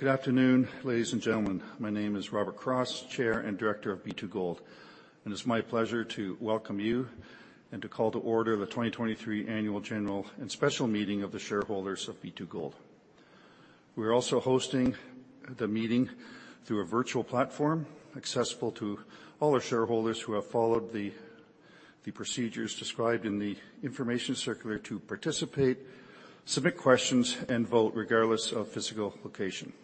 Good afternoon, ladies and gentlemen. My name is Robert Cross, Chair and Director of B2Gold, and it's my pleasure to welcome you and to call to order the 2023 Annual General and Special Meeting of the Shareholders of B2Gold. We are also hosting the meeting through a virtual platform accessible to all our shareholders who have followed the procedures described in the information circular to participate, submit questions, and vote regardless of physical location.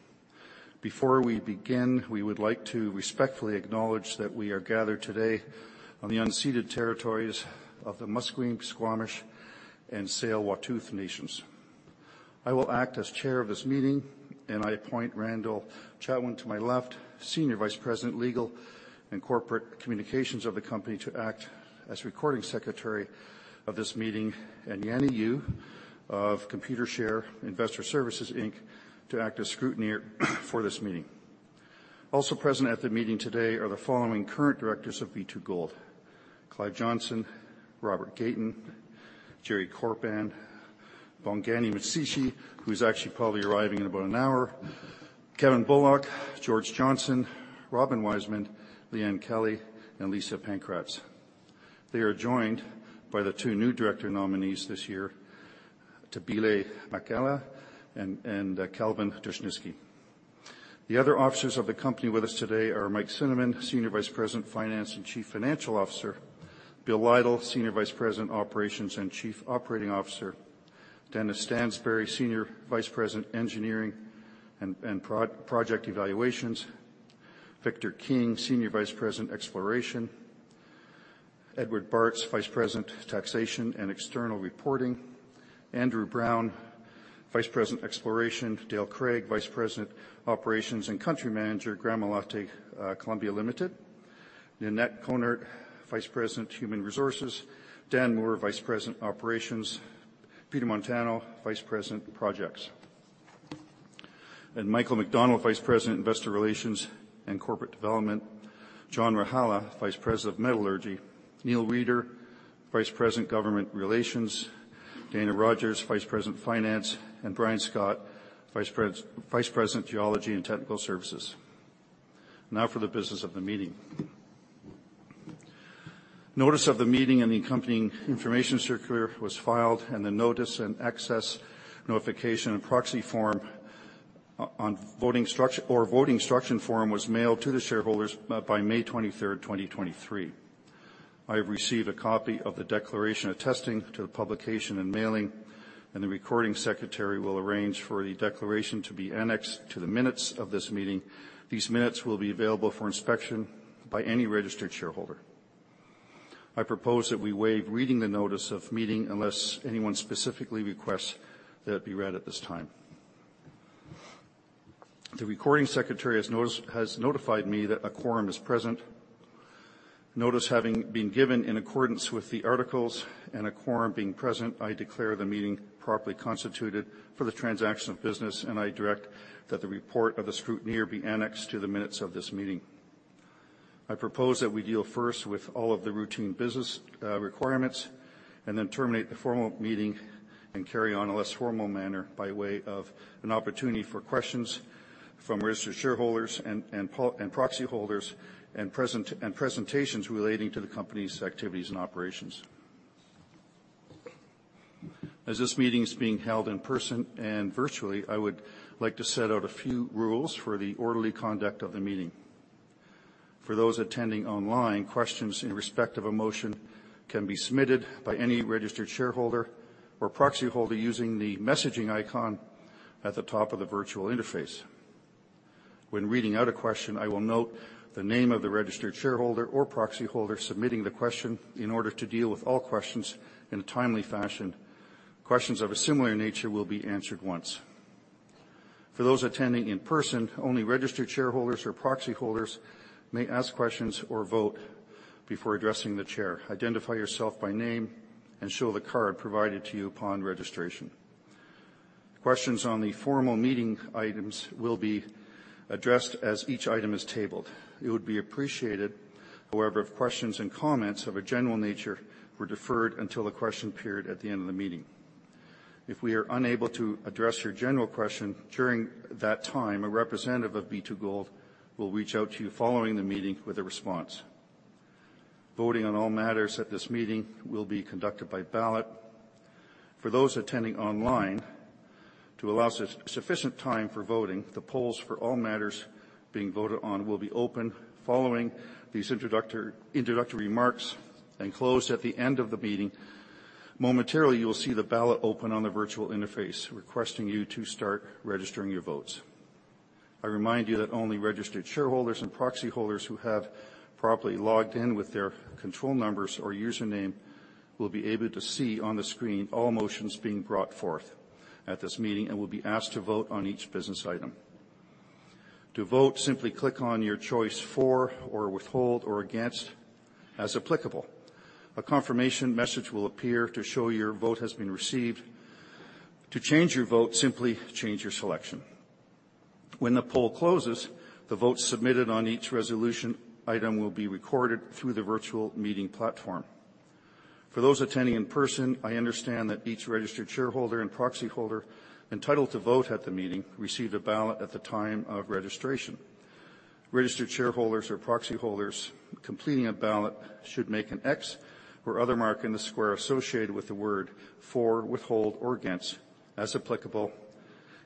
Before we begin, we would like to respectfully acknowledge that we are gathered today on the unceded territories of the Musqueam, Squamish, and Tsleil-Waututh Nations. I will act as Chair of this meeting, and I appoint Randall Chatwin to my left, Senior Vice President, Legal and Corporate Communications of the Company, to act as Recording Secretary of this meeting, and Yannie Yu of Computershare Investor Services Inc., to act as Scrutineer for this meeting. Also present at the meeting today are the following current directors of B2Gold: Clive Johnson, Robert Gayton, Jerry Korpan, Bongani Mtshisi, who is actually probably arriving in about an hour, Kevin Bullock, George Johnson, Robin Weisman, Liane Kelly, and Lisa Pankratz. They are joined by the two new director nominees this year, Thabile Makgala, and Kelvin Dushnisky. The other officers of the company with us today are Mike Cinnamond, Senior Vice President, Finance and Chief Financial Officer, Bill Lytle, Senior Vice President, Operations and Chief Operating Officer, Dennis Stansbury, Senior Vice President, Engineering and Project Evaluations, Victor King, Senior Vice President, Exploration, Eduard Bartz, Vice President, Taxation and External Reporting, Andrew Brown, Vice President, Exploration, Dale Craig, Vice President, Operations and Country Manager, Gramalote Colombia Limited, Ninette Kröhnert, Vice President, Human Resources, Dan Moore, Vice President, Operations, Peter Montano, Vice President, Projects, and Michael McDonald, Vice President, Investor Relations and Corporate Development, John Rajala, Vice President, Metallurgy, Neil Reeder, Vice President, Government Relations, Dana Rogers, Vice President, Finance, and Brian Scott, Vice President, Geology and Technical Services. Now for the business of the meeting. Notice of the meeting and the accompanying information circular was filed, and the Notice and Access Notification and Proxy Form or Voting Instruction Form was mailed to the shareholders by May 23rd, 2023. I have received a copy of the Declaration attesting to the publication and mailing, and the Recording Secretary will arrange for the Declaration to be annexed to the minutes of this meeting. These minutes will be available for inspection by any registered shareholder. I propose that we waive reading the Notice of Meeting unless anyone specifically requests that it be read at this time. The Recording Secretary has notified me that a quorum is present. Notice having been given in accordance with the articles and a quorum being present, I declare the meeting properly constituted for the transaction of business, and I direct that the report of the Scrutineer be annexed to the minutes of this meeting. I propose that we deal first with all of the routine business requirements and then terminate the formal meeting and carry on a less formal manner by way of an opportunity for questions from registered shareholders and proxy holders and presentations relating to the company's activities and operations. As this meeting is being held in person and virtually, I would like to set out a few rules for the orderly conduct of the meeting. For those attending online, questions in respect of a motion can be submitted by any registered shareholder or proxy holder using the messaging icon at the top of the virtual interface. When reading out a question, I will note the name of the registered shareholder or proxy holder submitting the question in order to deal with all questions in a timely fashion. Questions of a similar nature will be answered once. For those attending in person, only registered shareholders or proxy holders may ask questions or vote before addressing the Chair. Identify yourself by name and show the card provided to you upon registration. Questions on the formal meeting items will be addressed as each item is tabled. It would be appreciated, however, if questions and comments of a general nature were deferred until the question period at the end of the meeting. If we are unable to address your general question during that time, a representative of B2Gold will reach out to you following the meeting with a response. Voting on all matters at this meeting will be conducted by ballot. For those attending online, to allow sufficient time for voting, the polls for all matters being voted on will be open following these introductory remarks and closed at the end of the meeting. Momentarily, you will see the ballot open on the virtual interface, requesting you to start registering your votes. I remind you that only registered shareholders and proxy holders who have properly logged in with their control numbers or username will be able to see on the screen all motions being brought forth at this meeting and will be asked to vote on each business item. To vote, simply click on your choice for or withhold or against as applicable. A confirmation message will appear to show your vote has been received. To change your vote, simply change your selection. When the poll closes, the votes submitted on each resolution item will be recorded through the virtual meeting platform. For those attending in person, I understand that each registered shareholder and proxy holder entitled to vote at the meeting received a ballot at the time of registration. Registered shareholders or proxy holders completing a ballot should make an X or other mark in the square associated with the word For, Withhold, or Against as applicable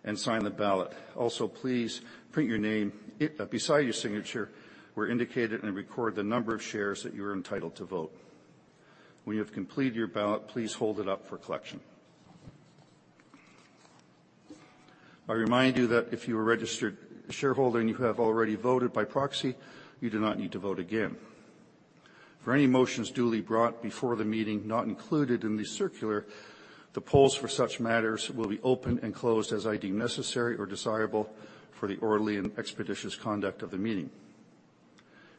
and sign the ballot. Also, please print your name beside your signature where indicated and record the number of shares that you are entitled to vote. When you have completed your ballot, please hold it up for collection. I remind you that if you are a registered shareholder and you have already voted by proxy, you do not need to vote again. For any motions duly brought before the meeting not included in the circular, the polls for such matters will be opened and closed as I deem necessary or desirable for the orderly and expeditious conduct of the meeting.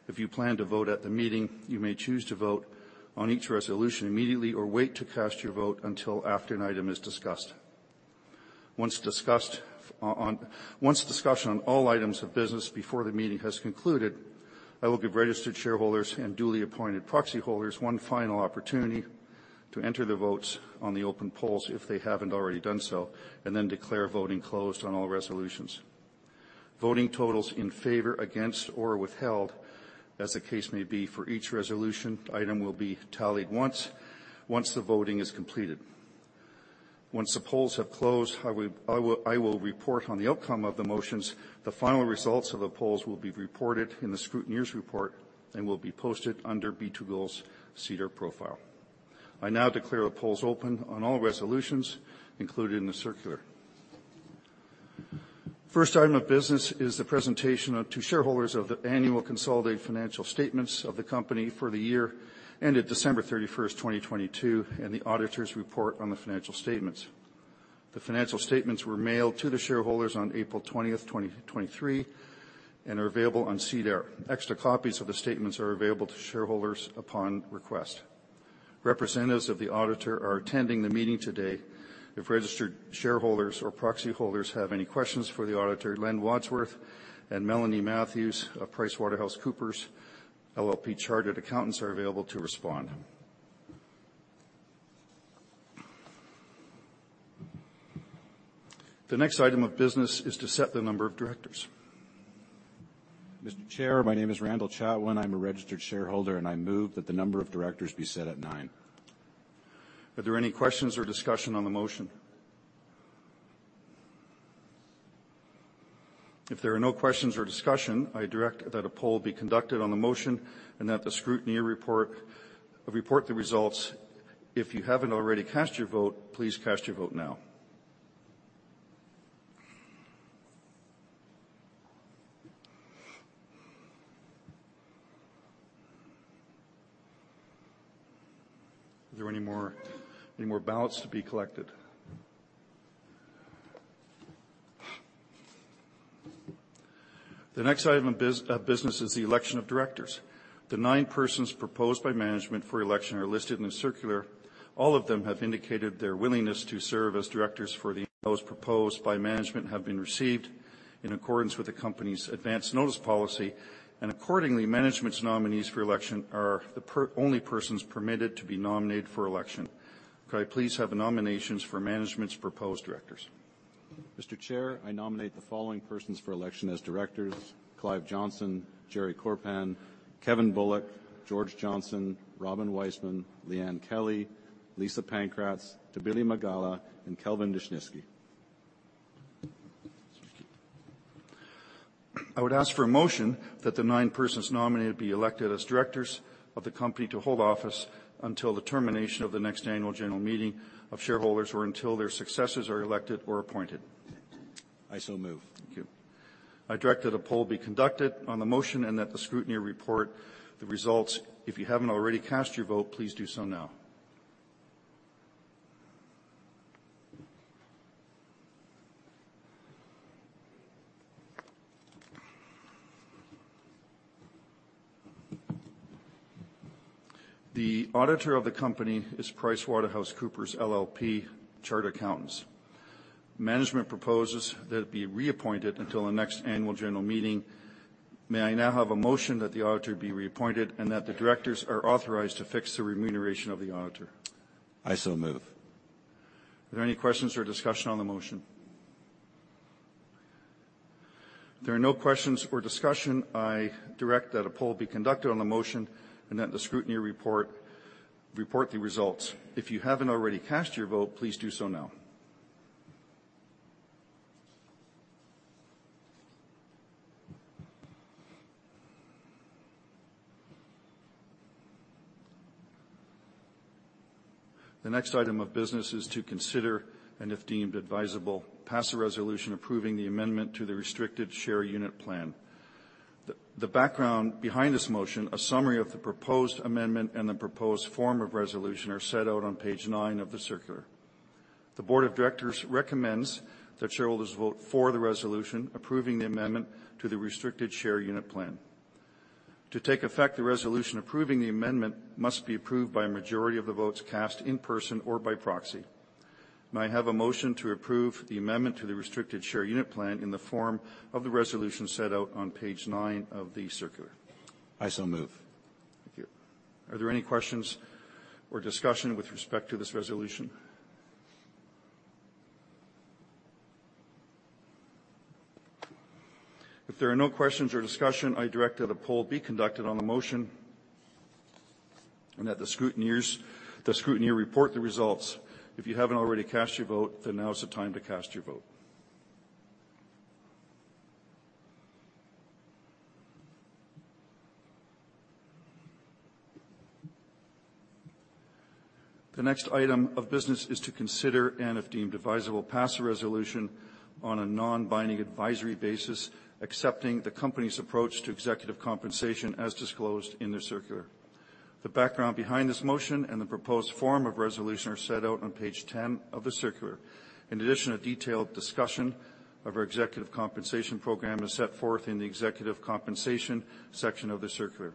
If you plan to vote at the meeting, you may choose to vote on each resolution immediately or wait to cast your vote until after an item is discussed. Once discussion on all items of business before the meeting has concluded, I will give registered shareholders and duly appointed proxy holders one final opportunity to enter the votes on the open polls if they haven't already done so and then declare voting closed on all resolutions. Voting totals in favor, against, or withheld, as the case may be for each resolution item will be tallied once the voting is completed. Once the polls have closed, I will report on the outcome of the motions. The final results of the polls will be reported in the Scrutineer's report and will be posted under B2Gold's SEDAR profile. I now declare the polls open on all resolutions included in the circular. First item of business is the presentation to shareholders of the annual consolidated financial statements of the company for the year ended December 31st, 2022, and the auditor's report on the financial statements. The financial statements were mailed to the shareholders on April 20th, 2023, and are available on SEDAR. Extra copies of the statements are available to shareholders upon request. Representatives of the auditor are attending the meeting today. If registered shareholders or proxy holders have any questions for the auditor, Len Wadsworth and Melanie Matthews of PricewaterhouseCoopers LLP, Chartered Accountants, are available to respond. The next item of business is to set the number of directors. Mr. Chair, my name is Randall Chatwin. I'm a registered shareholder, and I move that the number of directors be set at nine. Are there any questions or discussion on the motion? If there are no questions or discussion, I direct that a poll be conducted on the motion and that the Scrutineer report the results. If you haven't already cast your vote, please cast your vote now. Are there any more ballots to be collected? The next item of business is the election of directors. The nine persons proposed by management for election are listed in the circular. All of them have indicated their willingness to serve as directors. No other nominations have been received in accordance with the company's advance notice policy, and accordingly, management's nominees for election are the only persons permitted to be nominated for election. Could I please have nominations for management's proposed directors? Mr. Chair, I nominate the following persons for election as directors: Clive Johnson, Jerry Korpan, Kevin Bullock, George Johnson, Robin Weisman, Liane Kelly, Lisa Pankratz, Thabile Makgala, and Kelvin Dushnisky. I would ask for a motion that the nine persons nominated be elected as directors of the company to hold office until the termination of the next annual general meeting of shareholders or until their successors are elected or appointed. I so move. Thank you. I direct that a poll be conducted on the motion and that the Scrutineer report the results. If you haven't already cast your vote, please do so now. The auditor of the company is PricewaterhouseCoopers LLP Chartered Accountants. Management proposes that it be reappointed until the next annual general meeting. May I now have a motion that the auditor be reappointed and that the directors are authorized to fix the remuneration of the auditor? I so move. Are there any questions or discussion on the motion? If there are no questions or discussion, I direct that a poll be conducted on the motion and that the Scrutineer report the results. If you haven't already cast your vote, please do so now. The next item of business is to consider, and if deemed advisable, pass a resolution approving the amendment to the Restricted Share Unit Plan. The background behind this motion, a summary of the proposed amendment and the proposed form of resolution are set out on page nine of the circular. The board of directors recommends that shareholders vote for the resolution approving the amendment to the Restricted Share Unit Plan. To take effect, the resolution approving the amendment must be approved by a majority of the votes cast in person or by proxy. May I have a motion to approve the amendment to the Restricted Share Unit Plan in the form of the resolution set out on page nine of the circular? I so move. Thank you. Are there any questions or discussion with respect to this resolution? If there are no questions or discussion, I direct that a poll be conducted on the motion and that the Scrutineer report the results. If you haven't already cast your vote, then now is the time to cast your vote. The next item of business is to consider and, if deemed advisable, pass a resolution on a non-binding advisory basis accepting the company's approach to executive compensation as disclosed in the circular. The background behind this motion and the proposed form of resolution are set out on page 10 of the circular. In addition, a detailed discussion of our executive compensation program is set forth in the executive compensation section of the circular.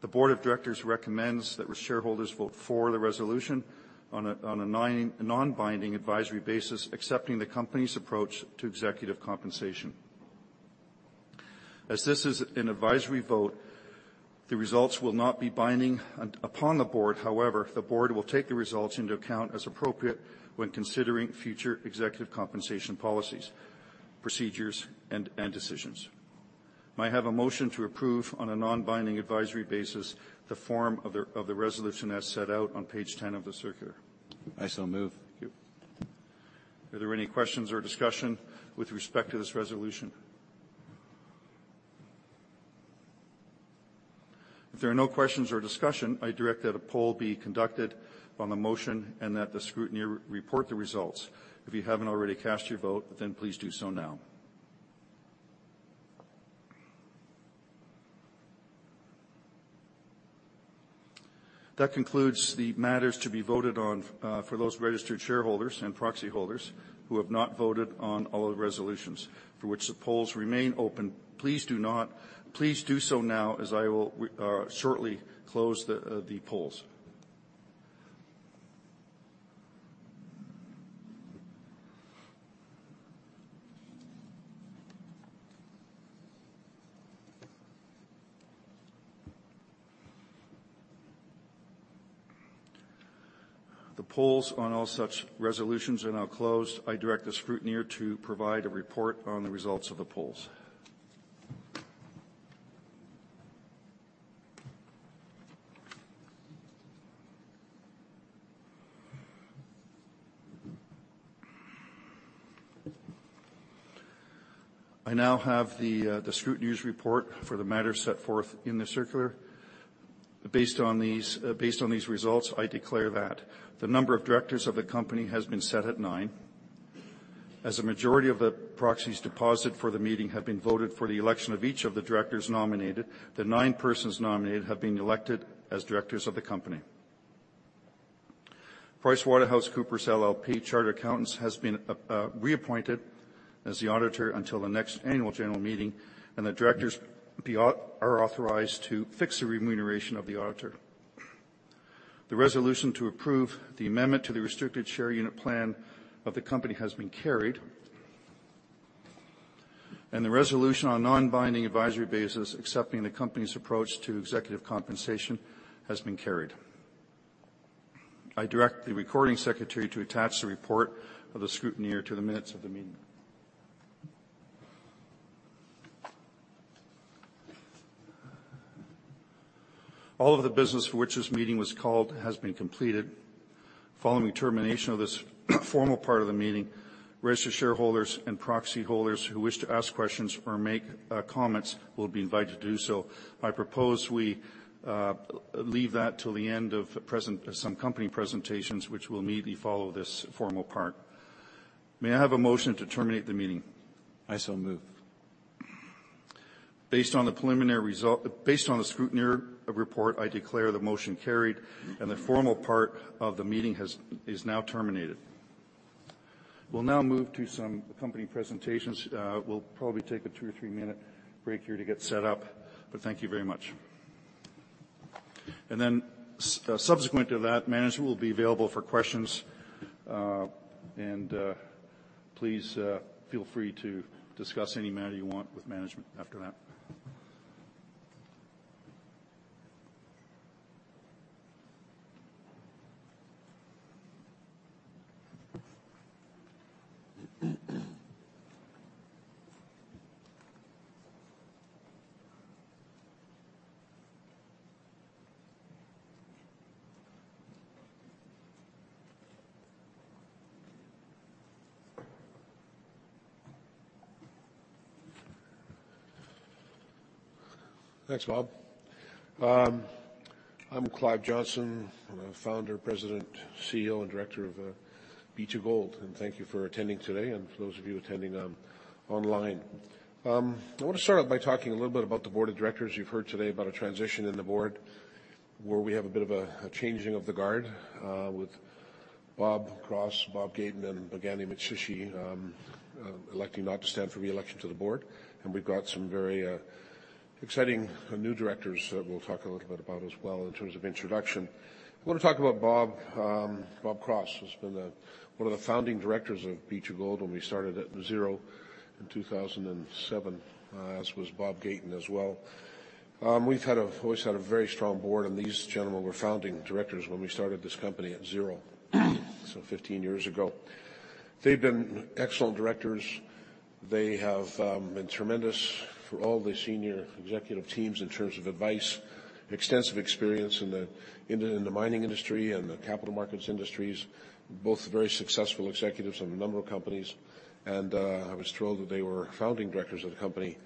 The board of directors recommends that shareholders vote for the resolution on a non-binding advisory basis accepting the company's approach to executive compensation. As this is an advisory vote, the results will not be binding upon the board. However, the board will take the results into account as appropriate when considering future executive compensation policies, procedures, and decisions. May I have a motion to approve on a non-binding advisory basis the form of the resolution as set out on page 10 of the circular? I so move. Thank you. Are there any questions or discussion with respect to this resolution? If there are no questions or discussion, I direct that a poll be conducted on the motion and that the Scrutineer report the results. If you haven't already cast your vote, then please do so now. That concludes the matters to be voted on for those registered shareholders and proxy holders who have not voted on all the resolutions for which the polls remain open. Please do so now as I will shortly close the polls. The polls on all such resolutions are now closed. I direct the Scrutineer to provide a report on the results of the polls. I now have the Scrutineer's report for the matters set forth in the circular. Based on these results, I declare that the number of directors of the company has been set at nine. As a majority of the proxies deposited for the meeting have been voted for the election of each of the directors nominated, the nine persons nominated have been elected as directors of the company. PricewaterhouseCoopers LLP Chartered Accountants has been reappointed as the auditor until the next annual general meeting, and the directors are authorized to fix the remuneration of the auditor. The resolution to approve the amendment to the Restricted Share Unit Plan of the company has been carried, and the resolution on a non-binding advisory basis accepting the company's approach to executive compensation has been carried. I direct the recording secretary to attach the report of the Scrutineer to the minutes of the meeting. All of the business for which this meeting was called has been completed. Following termination of this formal part of the meeting, registered shareholders and proxy holders who wish to ask questions or make comments will be invited to do so. I propose we leave that till the end of some company presentations, which will immediately follow this formal part. May I have a motion to terminate the meeting? I so move. Based on the preliminary result, based on the Scrutineer's report, I declare the motion carried and the formal part of the meeting is now terminated. We'll now move to some company presentations. We'll probably take a two or three-minute break here to get set up, but thank you very much, and then subsequent to that, management will be available for questions, and please feel free to discuss any matter you want with management after that. Thanks, Rob. I'm Clive Johnson, Founder, President, CEO, and Director of B2Gold, and thank you for attending today and for those of you attending online. I want to start out by talking a little bit about the board of directors. You've heard today about a transition in the board where we have a bit of a changing of the guard with Rob Cross, Rob Gayton, and Bongani Mtshisi electing not to stand for reelection to the board, and we've got some very exciting new directors that we'll talk a little bit about as well in terms of introduction. I want to talk about Rob Cross, who's been one of the founding directors of B2Gold when we started at zero in 2007, as was Rob Gayton as well. We've always had a very strong board, and these gentlemen were founding directors when we started this company at zero some 15 years ago. They've been excellent directors. They have been tremendous for all the senior executive teams in terms of advice, extensive experience in the mining industry and the capital markets industries, both very successful executives of a number of companies, and I was thrilled that they were founding directors of the company,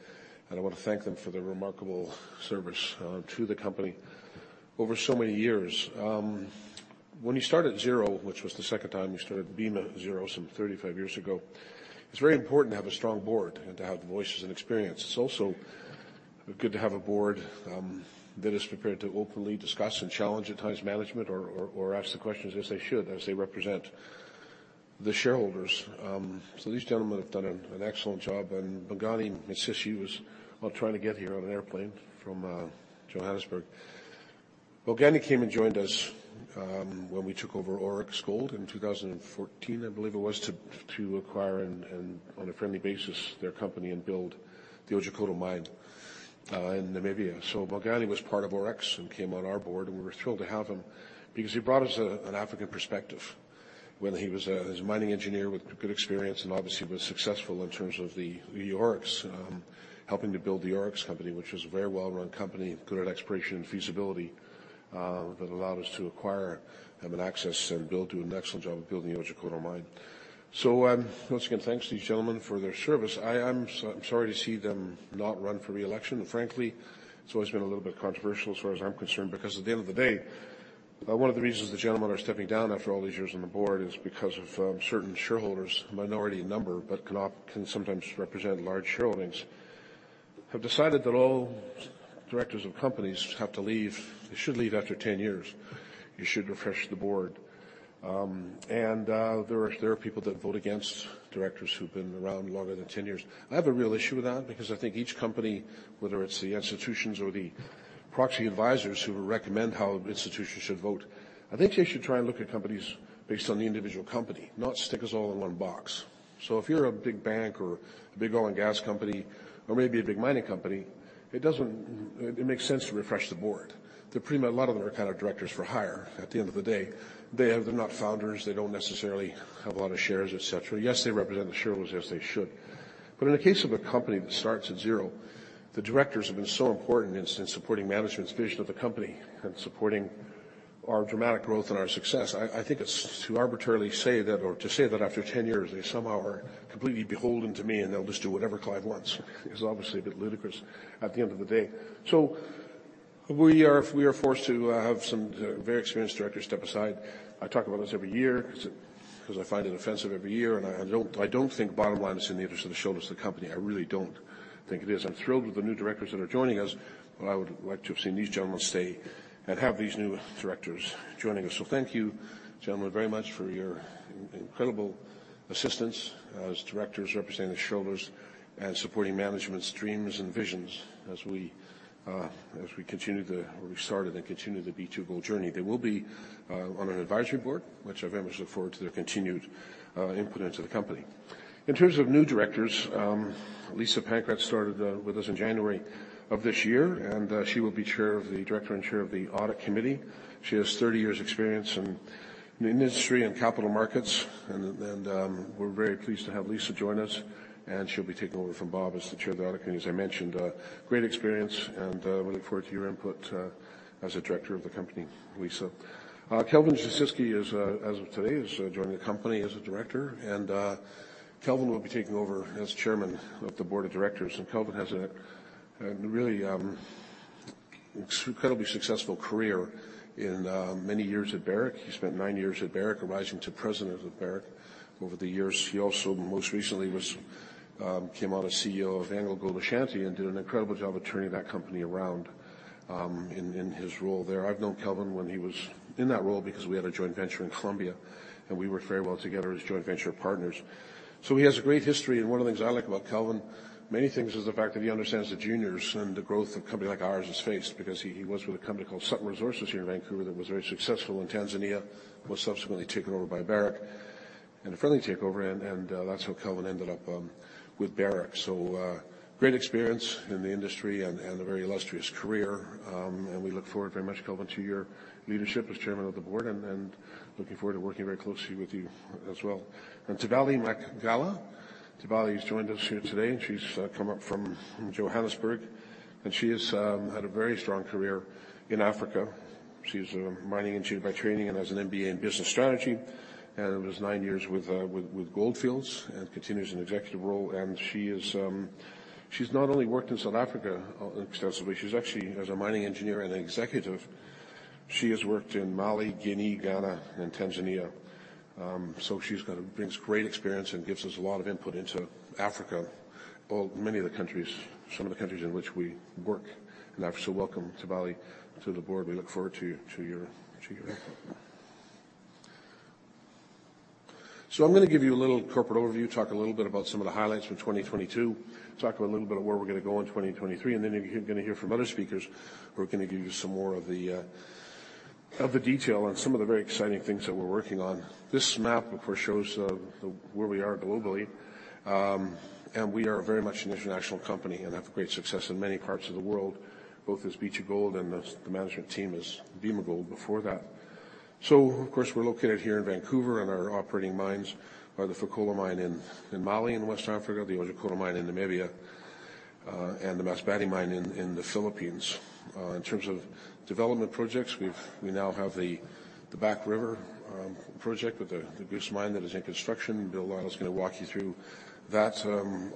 and I want to thank them for their remarkable service to the company over so many years. When you start at zero, which was the second time we started Bema zero some 35 years ago, it's very important to have a strong board and to have voices and experience. It's also good to have a board that is prepared to openly discuss and challenge at times management or ask the questions as they should as they represent the shareholders. So these gentlemen have done an excellent job, and Bongani Mtshisi was trying to get here on an airplane from Johannesburg. Bongani came and joined us when we took over Auryx Gold in 2014, I believe it was, to acquire on a friendly basis their company and build the Otjikoto Mine in Namibia, so Bongani was part of Auryx and came on our board, and we were thrilled to have him because he brought us an African perspective when he was a mining engineer with good experience and obviously was successful in terms of the Auryx, helping to build the Auryx company, which was a very well-run company, good at exploration and feasibility that allowed us to acquire them and access and build an excellent job of building the Otjikoto Mine, so once again, thanks to these gentlemen for their service. I'm sorry to see them not run for reelection, and frankly, it's always been a little bit controversial as far as I'm concerned because at the end of the day, one of the reasons the gentlemen are stepping down after all these years on the board is because of certain shareholders, minority in number but can sometimes represent large shareholdings, have decided that all directors of companies have to leave. They should leave after 10 years. You should refresh the board. And there are people that vote against directors who've been around longer than 10 years. I have a real issue with that because I think each company, whether it's the institutions or the proxy advisors who recommend how institutions should vote, I think they should try and look at companies based on the individual company, not stick us all in one box. So if you're a big bank or a big oil and gas company or maybe a big mining company, it makes sense to refresh the board. A lot of them are kind of directors for hire at the end of the day. They're not founders. They don't necessarily have a lot of shares, etc. Yes, they represent the shareholders as they should. But in the case of a company that starts at zero, the directors have been so important in supporting management's vision of the company and supporting our dramatic growth and our success. I think it's too arbitrary to say that after 10 years they somehow are completely beholden to me and they'll just do whatever Clive wants is obviously a bit ludicrous at the end of the day. So we are forced to have some very experienced directors step aside. I talk about this every year because I find it offensive every year, and I don't think bottom line is in the interest of the shareholders of the company. I really don't think it is. I'm thrilled with the new directors that are joining us, but I would like to have seen these gentlemen stay and have these new directors joining us. So thank you, gentlemen, very much for your incredible assistance as directors representing the shareholders and supporting management's dreams and visions as we continue to restart and continue the B2Gold journey. They will be on an advisory board, which I very much look forward to their continued input into the company. In terms of new directors, Lisa Pankratz started with us in January of this year, and she will be Chair of the Director and Chair of the Audit Committee. She has 30 years' experience in the industry and capital markets, and we're very pleased to have Lisa join us, and she'll be taking over from Bob as the chair of the audit committee. As I mentioned, great experience, and we look forward to your input as a director of the company, Lisa. Kelvin Dushnisky as of today is joining the company as a Director, and Kelvin will be taking over as Chairman of the board of directors. Kelvin has a really incredibly successful career in many years at Barrick. He spent nine years at Barrick, rising to president of Barrick over the years. He also most recently came on as CEO of AngloGold Ashanti and did an incredible job of turning that company around in his role there. I've known Kelvin when he was in that role because we had a joint venture in Colombia, and we worked very well together as joint venture partners. So he has a great history, and one of the things I like about Kelvin, many things, is the fact that he understands the juniors and the growth of a company like ours is faced because he was with a company called Sutton Resources here in Vancouver that was very successful in Tanzania, was subsequently taken over by Barrick in a friendly takeover, and that's how Kelvin ended up with Barrick. So great experience in the industry and a very illustrious career, and we look forward very much, Kelvin, to your leadership as chairman of the board and looking forward to working very closely with you as well. Thabile Makgala, Thabile has joined us here today, and she's come up from Johannesburg, and she has had a very strong career in Africa. She's a mining engineer by training and has an MBA in business strategy, and it was nine years with Gold Fields and continues in executive role. And she's not only worked in South Africa extensively, she's actually as a mining engineer and an executive. She has worked in Mali, Guinea, Ghana, and Tanzania. So she brings great experience and gives us a lot of input into Africa, many of the countries, some of the countries in which we work. And I'm so welcome, Thabile, to the board. We look forward to your input. I'm going to give you a little corporate overview, talk a little bit about some of the highlights from 2022, talk a little bit about where we're going to go in 2023, and then you're going to hear from other speakers who are going to give you some more of the detail on some of the very exciting things that we're working on. This map, of course, shows where we are globally, and we are very much an international company and have great success in many parts of the world, both as B2Gold and the management team as Bema Gold before that. Of course, we're located here in Vancouver, and our operating mines are the Fekola Mine in Mali in West Africa, the Otjikoto Mine in Namibia, and the Masbate Mine in the Philippines. In terms of development projects, we now have the Back River project with the Goose Mine that is in construction. Bill Lytle is going to walk you through that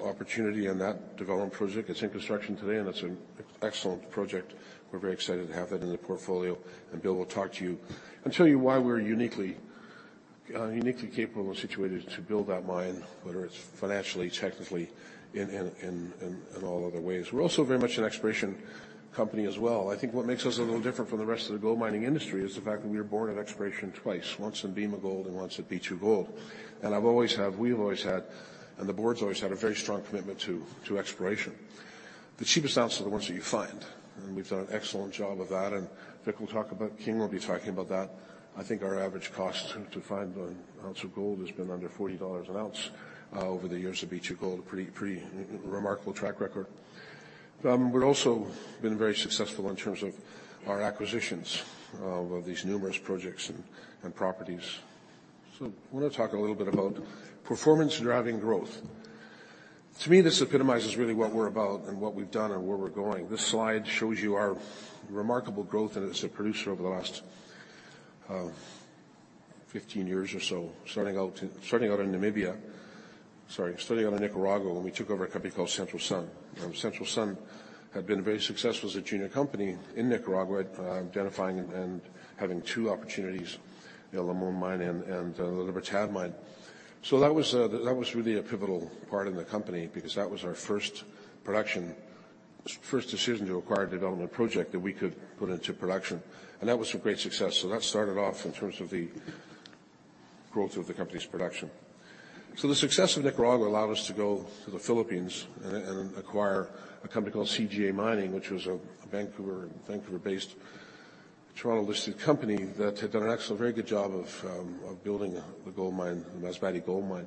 opportunity and that development project. It's in construction today, and it's an excellent project. We're very excited to have that in the portfolio, and Bill will talk to you and tell you why we're uniquely capable and situated to build that mine, whether it's financially, technically, in all other ways. We're also very much an exploration company as well. I think what makes us a little different from the rest of the gold mining industry is the fact that we were born of exploration twice, once in Bema Gold and once at B2Gold, and we've always had, and the board's always had a very strong commitment to exploration. The cheapest ounce are the ones that you find, and we've done an excellent job of that, and Vic will talk about, King will be talking about that. I think our average cost to find an ounce of gold has been under 40 dollars an ounce over the years of B2Gold, a pretty remarkable track record. We've also been very successful in terms of our acquisitions of these numerous projects and properties, so I want to talk a little bit about performance-driving growth. To me, this epitomizes really what we're about and what we've done and where we're going. This slide shows you our remarkable growth as a producer over the last 15 years or so, starting out in Namibia, sorry, starting out in Nicaragua when we took over a company called Central Sun. Central Sun had been very successful as a junior company in Nicaragua, identifying and having two opportunities, the El Limon Mine and the La Libertad Mine. So that was really a pivotal part in the company because that was our first decision to acquire a development project that we could put into production, and that was a great success. So that started off in terms of the growth of the company's production. So the success of Nicaragua allowed us to go to the Philippines and acquire a company called CGA Mining, which was a Vancouver-based, Toronto-listed company that had done an excellent, very good job of building the Masbate Gold Mine.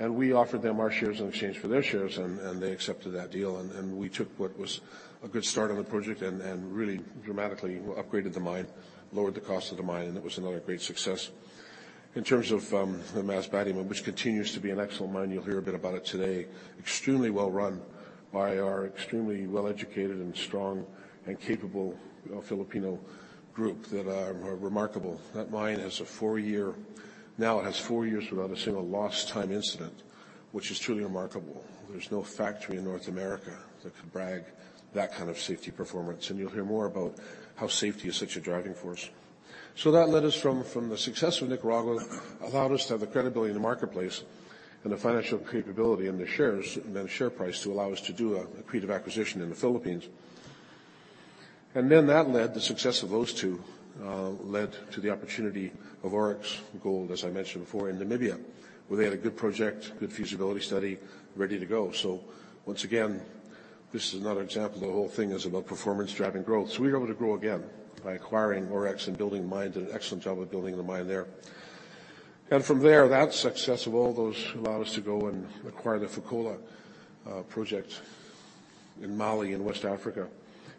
And we offered them our shares in exchange for their shares, and they accepted that deal, and we took what was a good start on the project and really dramatically upgraded the mine, lowered the cost of the mine, and it was another great success. In terms of the Masbate, which continues to be an excellent mine, you'll hear a bit about it today, extremely well-run by our extremely well-educated and strong and capable Filipino group that are remarkable. That mine has a four-year now, it has four years without a single lost-time incident, which is truly remarkable. There's no factory in North America that could brag that kind of safety performance, and you'll hear more about how safety is such a driving force. So that led us from the success of Nicaragua, allowed us to have the credibility in the marketplace and the financial capability in the shares and then share price to allow us to do a creative acquisition in the Philippines. And then that led the success of those two led to the opportunity of Auryx Gold, as I mentioned before, in Namibia, where they had a good project, good feasibility study, ready to go. So once again, this is another example of the whole thing is about performance-driving growth. So we were able to grow again by acquiring Auryx and building the mine, did an excellent job of building the mine there. And from there, that success of all those allowed us to go and acquire the Fekola project in Mali in West Africa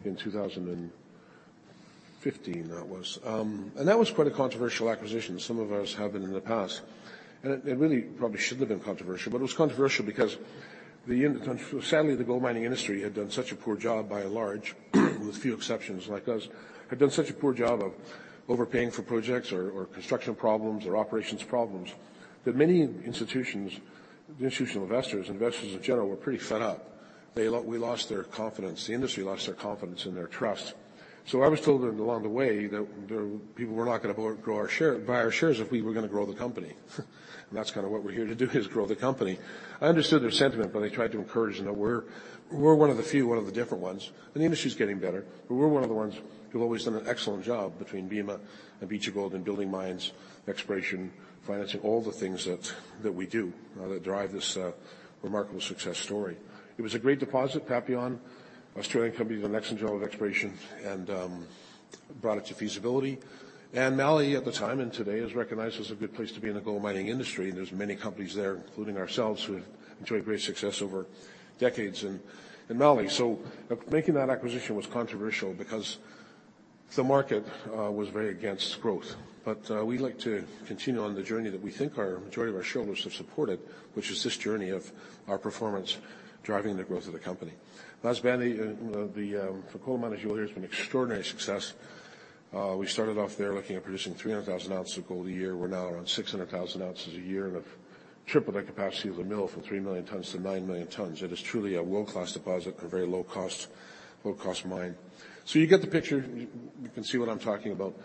in 2015, that was. And that was quite a controversial acquisition. Some of us have been in the past, and it really probably shouldn't have been controversial, but it was controversial because, sadly, the gold mining industry had done such a poor job by and large, with few exceptions like us, had done such a poor job of overpaying for projects or construction problems or operations problems that many institutions, the institutional investors, investors in general, were pretty fed up. We lost their confidence. The industry lost their confidence in their trust. So I was told along the way that people were not going to buy our shares if we were going to grow the company, and that's kind of what we're here to do is grow the company. I understood their sentiment, but they tried to encourage that we're one of the few, one of the different ones. The industry's getting better, but we're one of the ones who've always done an excellent job between Bema and B2Gold in building mines, exploration, financing, all the things that we do that drive this remarkable success story. It was a great deposit, Papillon, Australian company with an excellent job of exploration, and brought it to feasibility. Mali at the time and today is recognized as a good place to be in the gold mining industry, and there's many companies there, including ourselves, who have enjoyed great success over decades in Mali. Making that acquisition was controversial because the market was very against growth. We'd like to continue on the journey that we think our majority of our shareholders have supported, which is this journey of our performance driving the growth of the company. Masbate, the Fekola mine, as you'll hear, has been an extraordinary success. We started off there looking at producing 300,000 ounces of gold a year. We're now around 600,000 ounces a year and have tripled that capacity of the mill from 3 million tons to 9 million tons. It is truly a world-class deposit, a very low-cost mine, so you get the picture. You can see what I'm talking about.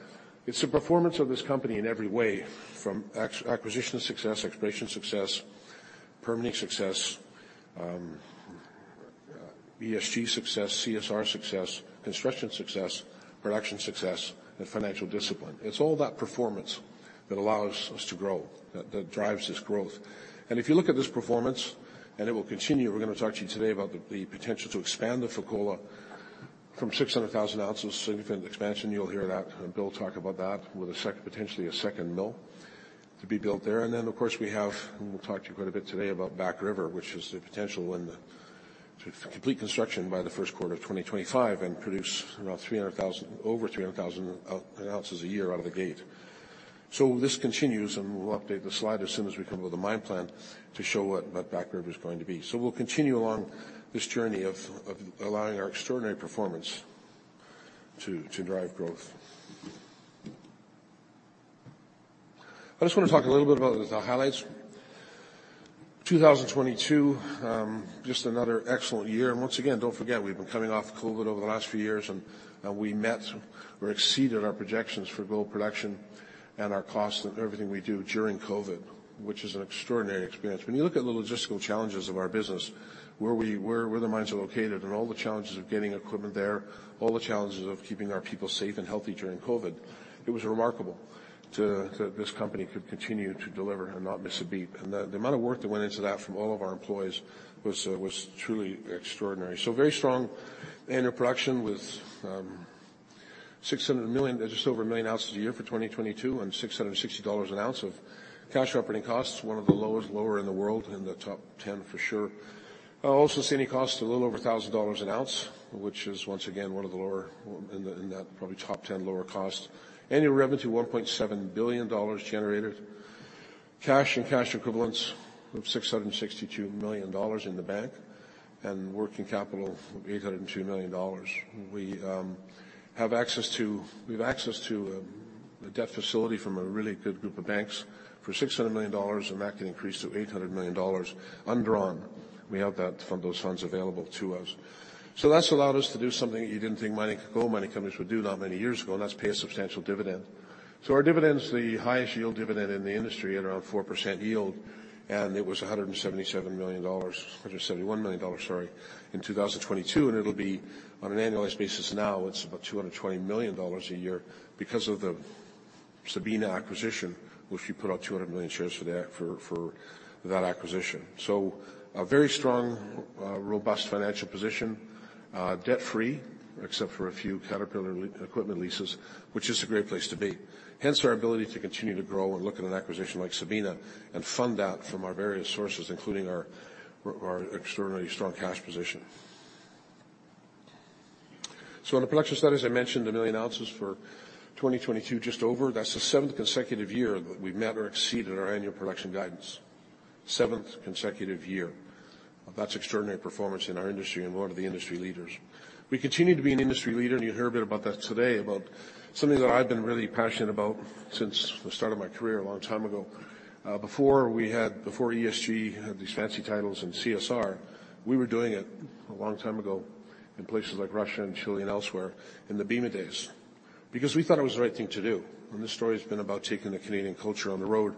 It's the performance of this company in every way from acquisition success, exploration success, permitting success, ESG success, CSR success, construction success, production success, and financial discipline. It's all that performance that allows us to grow, that drives this growth, and if you look at this performance, and it will continue, we're going to talk to you today about the potential to expand the Fekola from 600,000 ounces, significant expansion. You'll hear that, and Bill talk about that with potentially a second mill to be built there. Then, of course, we have, and we'll talk to you quite a bit today about Back River, which has the potential to complete construction by the first quarter of 2025 and produce over 300,000 ounces a year out of the gate. This continues, and we'll update the slide as soon as we come up with a mine plan to show what Back River is going to be. We'll continue along this journey of allowing our extraordinary performance to drive growth. I just want to talk a little bit about the highlights. 2022, just another excellent year. Once again, don't forget, we've been coming off COVID over the last few years, and we met or exceeded our projections for gold production and our cost and everything we do during COVID, which is an extraordinary experience. When you look at the logistical challenges of our business, where the mines are located and all the challenges of getting equipment there, all the challenges of keeping our people safe and healthy during COVID, it was remarkable that this company could continue to deliver and not miss a beat. And the amount of work that went into that from all of our employees was truly extraordinary. So very strong gold production with 600 million just over a million ounces a year for 2022 and 660 dollars an ounce of cash operating costs, one of the lowest in the world and the top 10 for sure. Also, costs a little over 1,000 dollars an ounce, which is once again one of the lowest in that probably top 10 lowest costs. Annual revenue to 1.7 billion dollars generated. Cash and cash equivalents of 662 million dollars in the bank and working capital of 802 million dollars. We have access to a debt facility from a really good group of banks for 600 million dollars, and that can increase to 800 million dollars undrawn. We have those funds available to us. So that's allowed us to do something you didn't think mining could gold mining companies would do not many years ago, and that's pay a substantial dividend. So our dividend's the highest yield dividend in the industry at around 4% yield, and it was 177 million dollars, 71 million dollars, sorry, in 2022, and it'll be on an annualized basis now. It's about 220 million a year because of the Sabina acquisition, which we put out 200 million shares for that acquisition. So a very strong, robust financial position, debt-free, except for a few Caterpillar equipment leases, which is a great place to be. Hence our ability to continue to grow and look at an acquisition like Sabina and fund that from our various sources, including our extraordinarily strong cash position. So on the production guidance, I mentioned a million ounces for 2022, just over. That's the seventh consecutive year that we've met or exceeded our annual production guidance. Seventh consecutive year. That's extraordinary performance in our industry and one of the industry leaders. We continue to be an industry leader, and you'll hear a bit about that today, about something that I've been really passionate about since the start of my career a long time ago. Before ESG had these fancy titles and CSR, we were doing it a long time ago in places like Russia and Chile and elsewhere in the Bema days because we thought it was the right thing to do. This story has been about taking the Canadian culture on the road,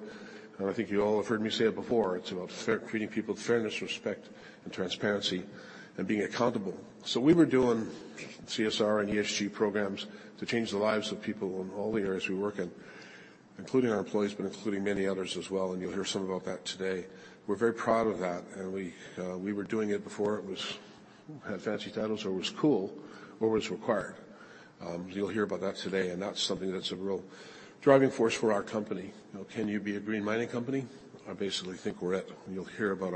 and I think you all have heard me say it before. It's about treating people with fairness, respect, and transparency, and being accountable. We were doing CSR and ESG programs to change the lives of people in all the areas we work in, including our employees, but including many others as well, and you'll hear some about that today. We're very proud of that, and we were doing it before it had fancy titles or it was cool or it was required. You'll hear about that today, and that's something that's a real driving force for our company. Can you be a green mining company? I basically think we're it. You'll hear about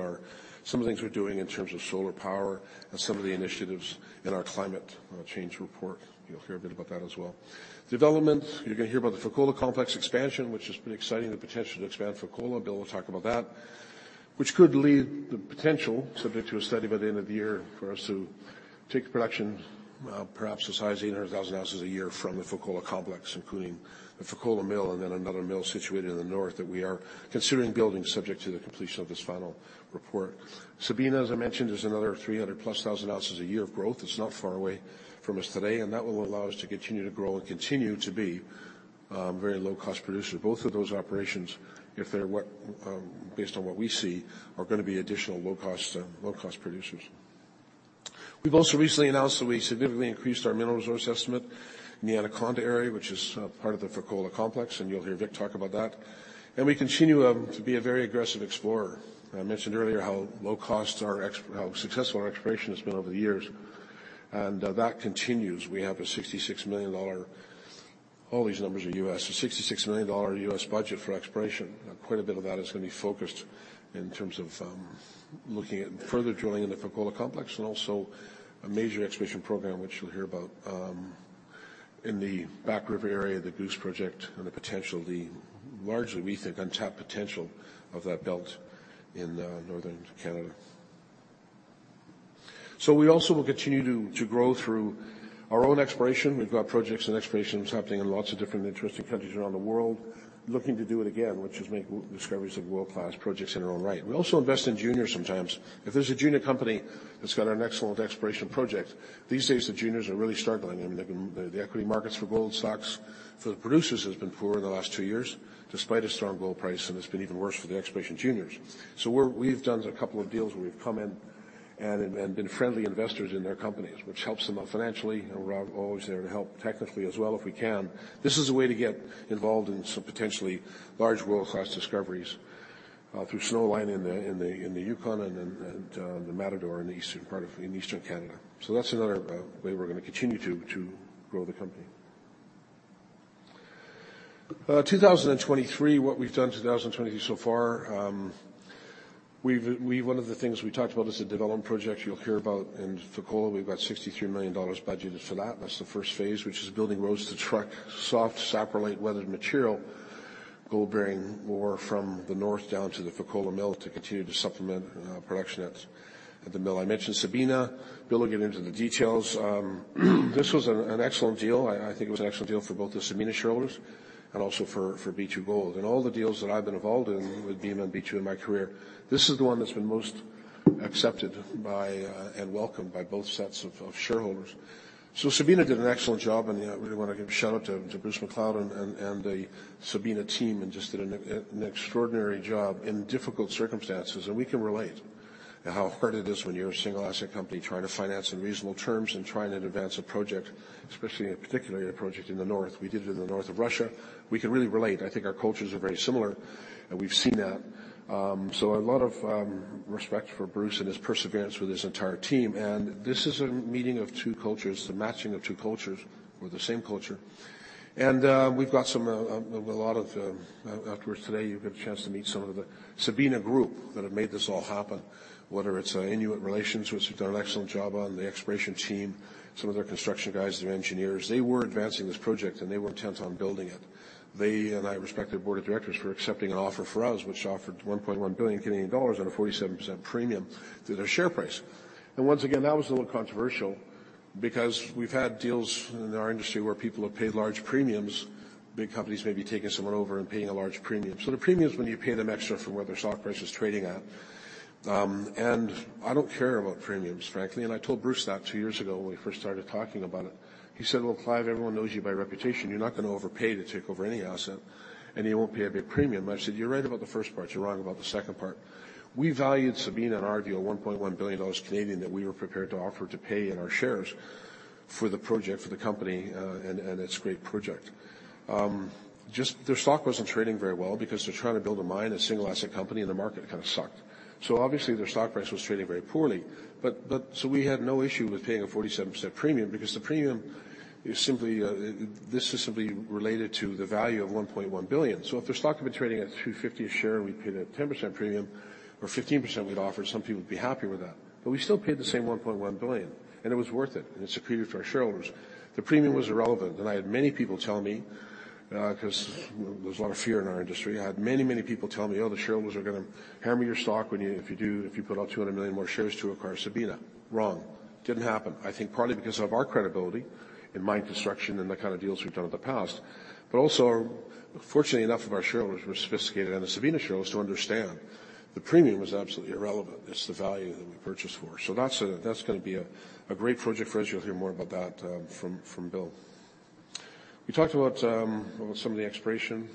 some of the things we're doing in terms of solar power and some of the initiatives in our climate change report. You'll hear a bit about that as well. Development, you're going to hear about the Fekola Complex expansion, which is pretty exciting, the potential to expand Fekola. Bill will talk about that, which could lead the potential, subject to a study by the end of the year, for us to take production, perhaps as high as 800,000 ounces a year from the Fekola Complex, including the Fekola Mill and then another mill situated in the north that we are considering building subject to the completion of this final report. Sabina, as I mentioned, is another 300+ thousand ounces a year of growth. It's not far away from us today, and that will allow us to continue to grow and continue to be very low-cost producers. Both of those operations, based on what we see, are going to be additional low-cost producers. We've also recently announced that we significantly increased our mineral resource estimate in the Anaconda area, which is part of the Fekola Complex, and you'll hear Vic talk about that. We continue to be a very aggressive explorer. I mentioned earlier how successful our exploration has been over the years, and that continues. We have a $66 million, all these numbers are U.S., a $66 million U.S. budget for exploration. Quite a bit of that is going to be focused in terms of looking at further drilling in the Fekola Complex and also a major exploration program, which you'll hear about in the Back River area, the Goose project and the potential, largely we think, untapped potential of that belt in northern Canada. We also will continue to grow through our own exploration. We've got projects and explorations happening in lots of different interesting countries around the world, looking to do it again, which is make discoveries of world-class projects in our own right. We also invest in juniors sometimes. If there's a junior company that's got an excellent exploration project, these days the juniors are really struggling. The equity markets for gold stocks for the producers have been poor in the last two years, despite a strong gold price, and it's been even worse for the exploration juniors. So we've done a couple of deals where we've come in and been friendly investors in their companies, which helps them out financially, and we're always there to help technically as well if we can. This is a way to get involved in some potentially large world-class discoveries through Snowline in the Yukon and the Matador in the eastern part of Eastern Canada. So that's another way we're going to continue to grow the company. 2023, what we've done so far, one of the things we talked about is the development project you'll hear about in Fekola. We've got 63 million dollars budgeted for that. That's the first phase, which is building roads to truck soft saprolite weathered material gold bearing ore from the north down to the Fekola Mill to continue to supplement production at the mill. I mentioned Sabina. Bill will get into the details. This was an excellent deal. I think it was an excellent deal for both the Sabina shareholders and also for B2Gold. In all the deals that I've been involved in with Bema and B2 in my career, this is the one that's been most accepted and welcomed by both sets of shareholders. Sabina did an excellent job, and I really want to give a shout out to Bruce McLeod and the Sabina team and just did an extraordinary job in difficult circumstances. We can relate how hard it is when you're a single asset company trying to finance in reasonable terms and trying to advance a project, especially particularly a project in the north. We did it in the north of Russia. We can really relate. I think our cultures are very similar, and we've seen that. So a lot of respect for Bruce and his perseverance with his entire team. This is a meeting of two cultures, the matching of two cultures or the same culture. We've got a lot of afterwards today. You've got a chance to meet some of the Sabina group that have made this all happen, whether it's Inuit relations, which have done an excellent job on the exploration team, some of their construction guys, their engineers. They were advancing this project, and they were intent on building it. They and I respected board of directors for accepting an offer for us, which offered 1.1 billion Canadian dollars at a 47% premium to their share price. And once again, that was a little controversial because we've had deals in our industry where people have paid large premiums. Big companies may be taking someone over and paying a large premium. So the premium's when you pay them extra for what their stock price is trading at. And I don't care about premiums, frankly. I told Bruce that two years ago when we first started talking about it. He said, "Well, Clive, everyone knows you by reputation. You're not going to overpay to take over any asset, and you won't pay a big premium." I said, "You're right about the first part. You're wrong about the second part." We valued Sabina and our view of 1.1 billion Canadian dollars that we were prepared to offer to pay in our shares for the project, for the company, and its great project. Just their stock wasn't trading very well because they're trying to build a mine, a single asset company in the market. It kind of sucked. Obviously, their stock price was trading very poorly. We had no issue with paying a 47% premium because the premium is simply this is simply related to the value of 1.1 billion. So if their stock had been trading at 2.50 a share and we paid a 10% premium or 15% we'd offered, some people would be happy with that. But we still paid the same 1.1 billion, and it was worth it. And it's a preview for our shareholders. The premium was irrelevant. And I had many people tell me because there's a lot of fear in our industry. I had many, many people tell me, "Oh, the shareholders are going to hammer your stock if you put out 200 million more shares to acquire Sabina." Wrong. Didn't happen. I think partly because of our credibility in mine construction and the kind of deals we've done in the past. But also, fortunately enough, our shareholders were sophisticated, and the Sabina shareholders to understand the premium was absolutely irrelevant. It's the value that we purchased for. So that's going to be a great project for us. You'll hear more about that from Bill. We talked about some of the exploration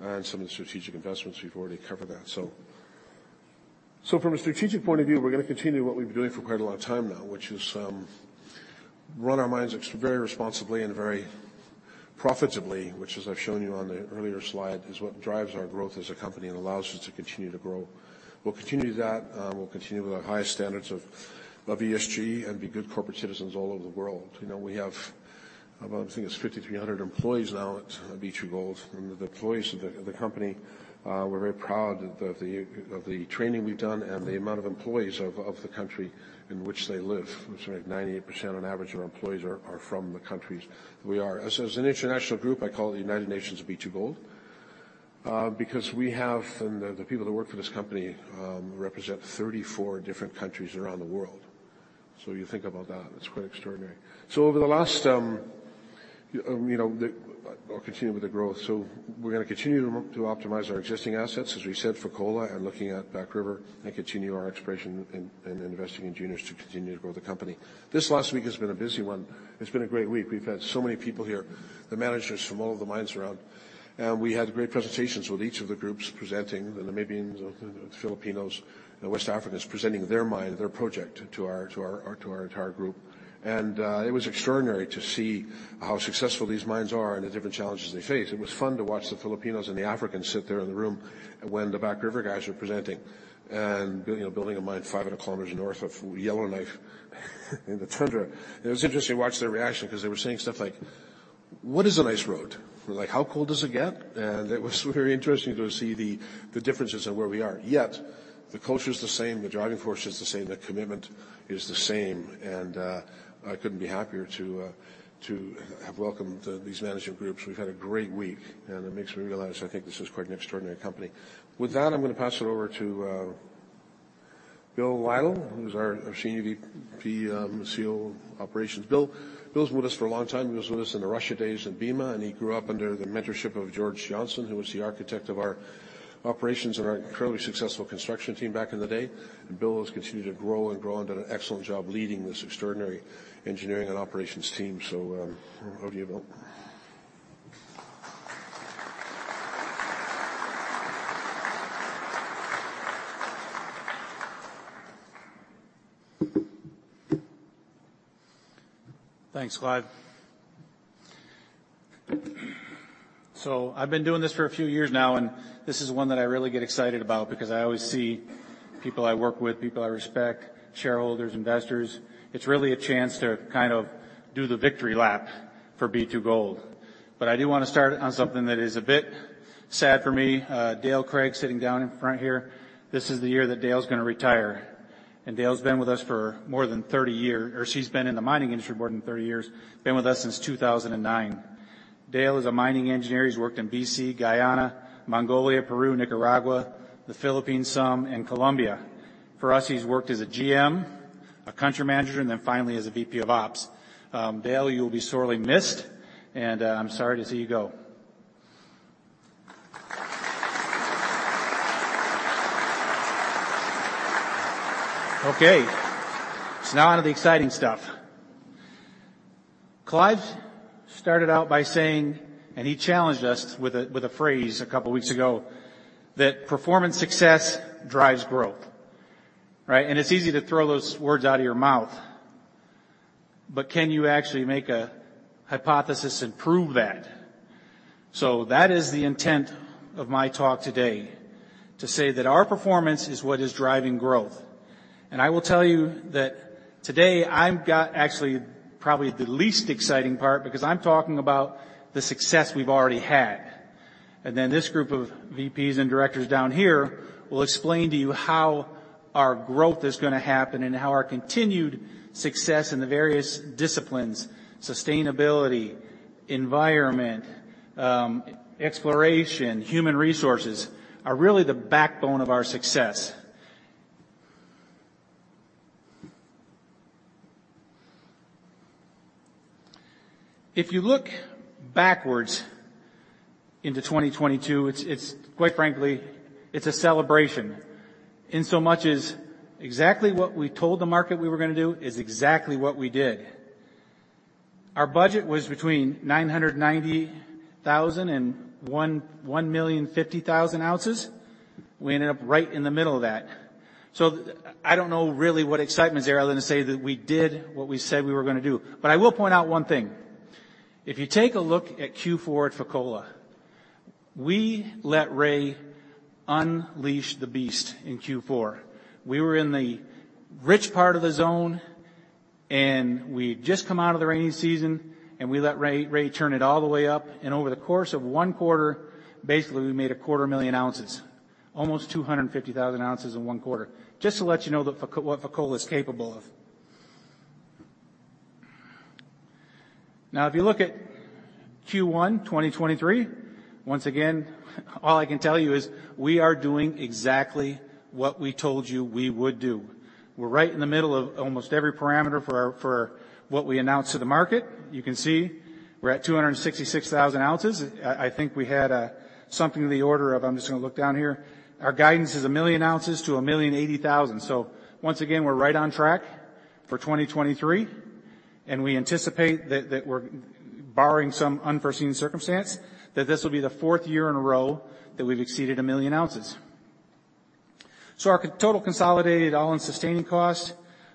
and some of the strategic investments. We've already covered that. So from a strategic point of view, we're going to continue what we've been doing for quite a long time now, which is run our mines very responsibly and very profitably, which, as I've shown you on the earlier slide, is what drives our growth as a company and allows us to continue to grow. We'll continue that. We'll continue with our highest standards of ESG and be good corporate citizens all over the world. We have, I think, 5,300 employees now at B2Gold. And the employees of the company, we're very proud of the training we've done and the amount of employees of the country in which they live. It's like 98% on average of our employees are from the countries that we are. As an international group, I call it the United Nations of B2Gold because we have, and the people that work for this company represent 34 different countries around the world. So you think about that. It's quite extraordinary. So over the last or continue with the growth. So we're going to continue to optimize our existing assets, as we said, Fekola and looking at Back River and continue our exploration and investing in juniors to continue to grow the company. This last week has been a busy one. It's been a great week. We've had so many people here, the managers from all of the mines around. And we had great presentations with each of the groups presenting, the Namibians, the Filipinos, the West Africans presenting their mine, their project to our entire group. It was extraordinary to see how successful these mines are and the different challenges they face. It was fun to watch the Filipinos and the Africans sit there in the room when the Back River guys were presenting and building a mine 500 km north of Yellowknife in the tundra. It was interesting to watch their reaction because they were saying stuff like, "What is a nice road? How cold does it get?" It was very interesting to see the differences in where we are. Yet the culture is the same. The driving force is the same. The commitment is the same. I couldn't be happier to have welcomed these management groups. We've had a great week, and it makes me realize I think this is quite an extraordinary company. With that, I'm going to pass it over to Bill Lytle, who's our Senior VP and COO of Operations. Bill's with us for a long time. He was with us in the Russia days in Bema, and he grew up under the mentorship of George Johnson, who was the architect of our operations and our incredibly successful construction team back in the day, and Bill has continued to grow and grow and done an excellent job leading this extraordinary engineering and operations team, so over to you, Bill. Thanks, Clive. I've been doing this for a few years now, and this is one that I really get excited about because I always see people I work with, people I respect, shareholders, investors. It's really a chance to kind of do the victory lap for B2Gold. I do want to start on something that is a bit sad for me. Dale Craig sitting down in front here. This is the year that Dale's going to retire. Dale's been with us for more than 30 years, or she's been in the mining industry more than 30 years, been with us since 2009. Dale is a mining engineer. He's worked in BC, Guyana, Mongolia, Peru, Nicaragua, the Philippines some, and Colombia. For us, he's worked as a GM, a country manager, and then finally as a VP of Ops. Dale, you will be sorely missed, and I'm sorry to see you go. Okay, so now on to the exciting stuff. Clive started out by saying, and he challenged us with a phrase a couple of weeks ago, that performance success drives growth. Right? And it's easy to throw those words out of your mouth, but can you actually make a hypothesis and prove that? So that is the intent of my talk today, to say that our performance is what is driving growth. I will tell you that today I've got actually probably the least exciting part because I'm talking about the success we've already had. Then this group of VPs and directors down here will explain to you how our growth is going to happen and how our continued success in the various disciplines, sustainability, environment, exploration, human resources, are really the backbone of our success. If you look backwards into 2022, it's quite frankly, it's a celebration. In so much as exactly what we told the market we were going to do is exactly what we did. Our budget was between 990,000 and 1,050,000 ounces. We ended up right in the middle of that. I don't know really what excitement's there other than to say that we did what we said we were going to do. I will point out one thing. If you take a look at Q4 at Fekola, we let Ray unleash the beast in Q4. We were in the rich part of the zone, and we had just come out of the rainy season, and we let Ray turn it all the way up, and over the course of one quarter, basically, we made a quarter million ounces, almost 250,000 ounces in one quarter, just to let you know what Fekola is capable of. Now, if you look at Q1, 2023, once again, all I can tell you is we are doing exactly what we told you we would do. We're right in the middle of almost every parameter for what we announced to the market. You can see we're at 266,000 ounces. I think we had something to the order of, I'm just going to look down here. Our guidance is a million ounces to a million eighty thousand. So once again, we're right on track for 2023, and we anticipate that barring some unforeseen circumstance, that this will be the fourth year in a row that we've exceeded a million ounces, so our total consolidated all-in sustaining cost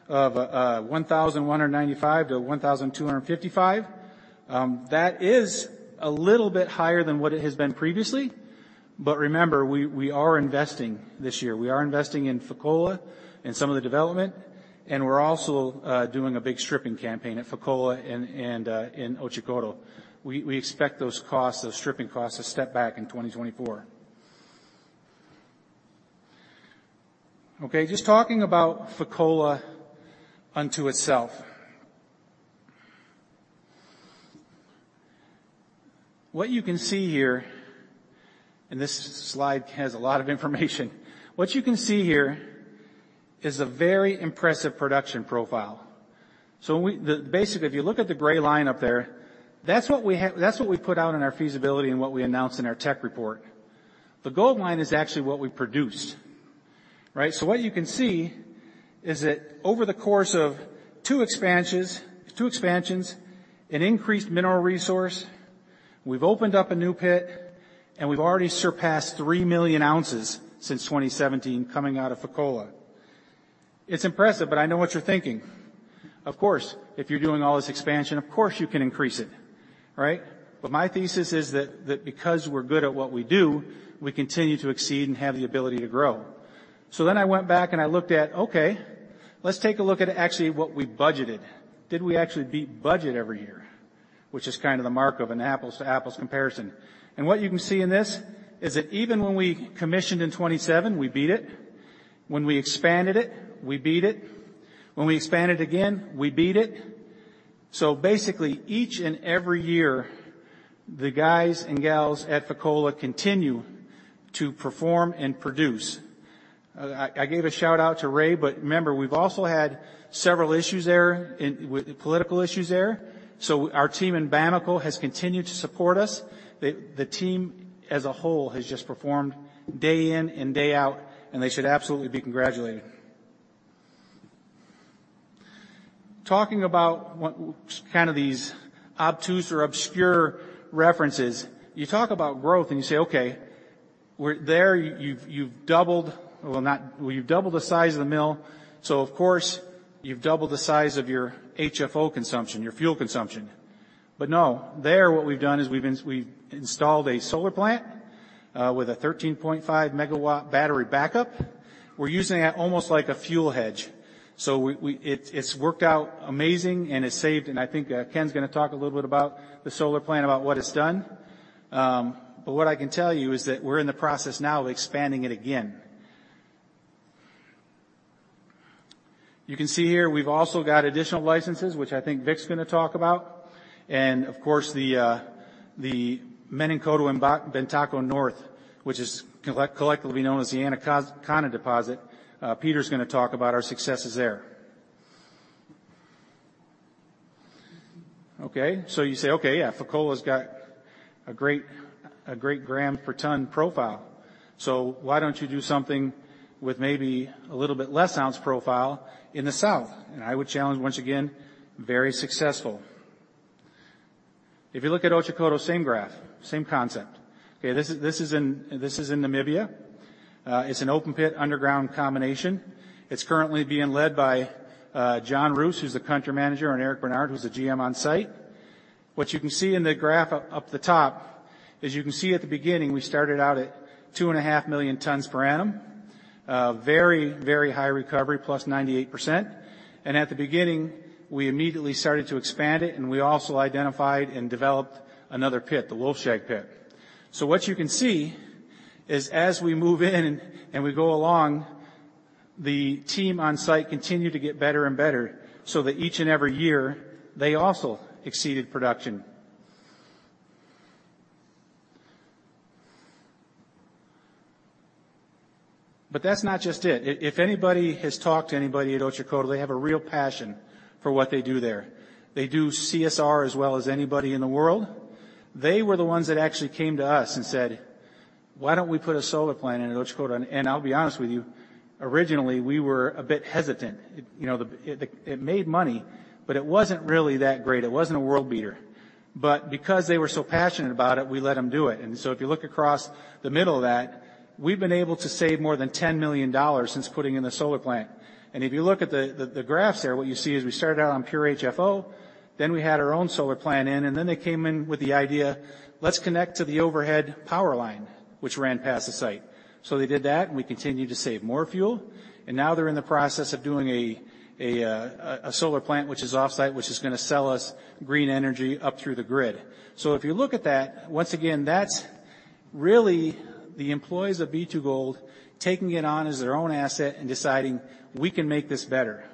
of 1,195-1,255, that is a little bit higher than what it has been previously, but remember, we are investing this year. We are investing in Fekola and some of the development, and we're also doing a big stripping campaign at Fekola and in Otjikoto. We expect those costs, those stripping costs to step back in 2024. Okay. Just talking about Fekola onto itself, what you can see here, and this slide has a lot of information. What you can see here is a very impressive production profile. So basically, if you look at the gray line up there, that's what we put out in our feasibility and what we announced in our tech report. The gold mined is actually what we produced. Right? So what you can see is that over the course of two expansions, an increased mineral resource, we've opened up a new pit, and we've already surpassed 3 million ounces since 2017 coming out of Fekola. It's impressive, but I know what you're thinking. Of course, if you're doing all this expansion, of course, you can increase it. Right? But my thesis is that because we're good at what we do, we continue to exceed and have the ability to grow. So then I went back and I looked at, okay, let's take a look at actually what we budgeted. Did we actually beat budget every year, which is kind of the mark of an apples-to-apples comparison? And what you can see in this is that even when we commissioned in 2017, we beat it. When we expanded it, we beat it. When we expanded again, we beat it. So basically, each and every year, the guys and gals at Fekola continue to perform and produce. I gave a shout-out to Ray, but remember, we've also had several issues there, political issues there. So our team in Bamako has continued to support us. The team as a whole has just performed day in and day out, and they should absolutely be congratulated. Talking about kind of these obtuse or obscure references, you talk about growth and you say, "Okay, there, you've doubled the size of the mill." So of course, you've doubled the size of your HFO consumption, your fuel consumption. But no, there, what we've done is we've installed a solar plant with a 13.5 MW battery backup. We're using it almost like a fuel hedge. So it's worked out amazing, and it's saved. And I think Ken's going to talk a little bit about the solar plant, about what it's done. But what I can tell you is that we're in the process now of expanding it again. You can see here, we've also got additional licenses, which I think Vic's going to talk about. And of course, the Menankoto and Bantako North, which is collectively known as the Anaconda area, Peter's going to talk about our successes there. Okay. So you say, "Okay, yeah, Fekola's got a great gram per ton profile. So why don't you do something with maybe a little bit less ounce profile in the south?" And I would challenge once again, very successful. If you look at Otjikoto, same graph, same concept. Okay. This is in Namibia. It's an open-pit underground combination. It's currently being led by John Roos, who's the country manager, and Eric Barnard, who's the GM on site. What you can see in the graph up the top is you can see at the beginning, we started out at 2.5 million tons per annum, very, very high recovery, +98%. And at the beginning, we immediately started to expand it, and we also identified and developed another pit, the Wolfshag pit. So what you can see is as we move in and we go along, the team on site continued to get better and better so that each and every year, they also exceeded production. But that's not just it. If anybody has talked to anybody at Otjikoto, they have a real passion for what they do there. They do CSR as well as anybody in the world. They were the ones that actually came to us and said, "Why don't we put a solar plant in at Otjikoto?" And I'll be honest with you, originally, we were a bit hesitant. It made money, but it wasn't really that great. It wasn't a world beater. But because they were so passionate about it, we let them do it. And so if you look across the middle of that, we've been able to save more than 10 million dollars since putting in the solar plant. And if you look at the graphs there, what you see is we started out on pure HFO, then we had our own solar plant in, and then they came in with the idea, "Let's connect to the overhead power line," which ran past the site. So they did that, and we continued to save more fuel. And now they're in the process of doing a solar plant, which is off-site, which is going to sell us green energy up through the grid. So if you look at that, once again, that's really the employees of B2Gold taking it on as their own asset and deciding, "We can make this better."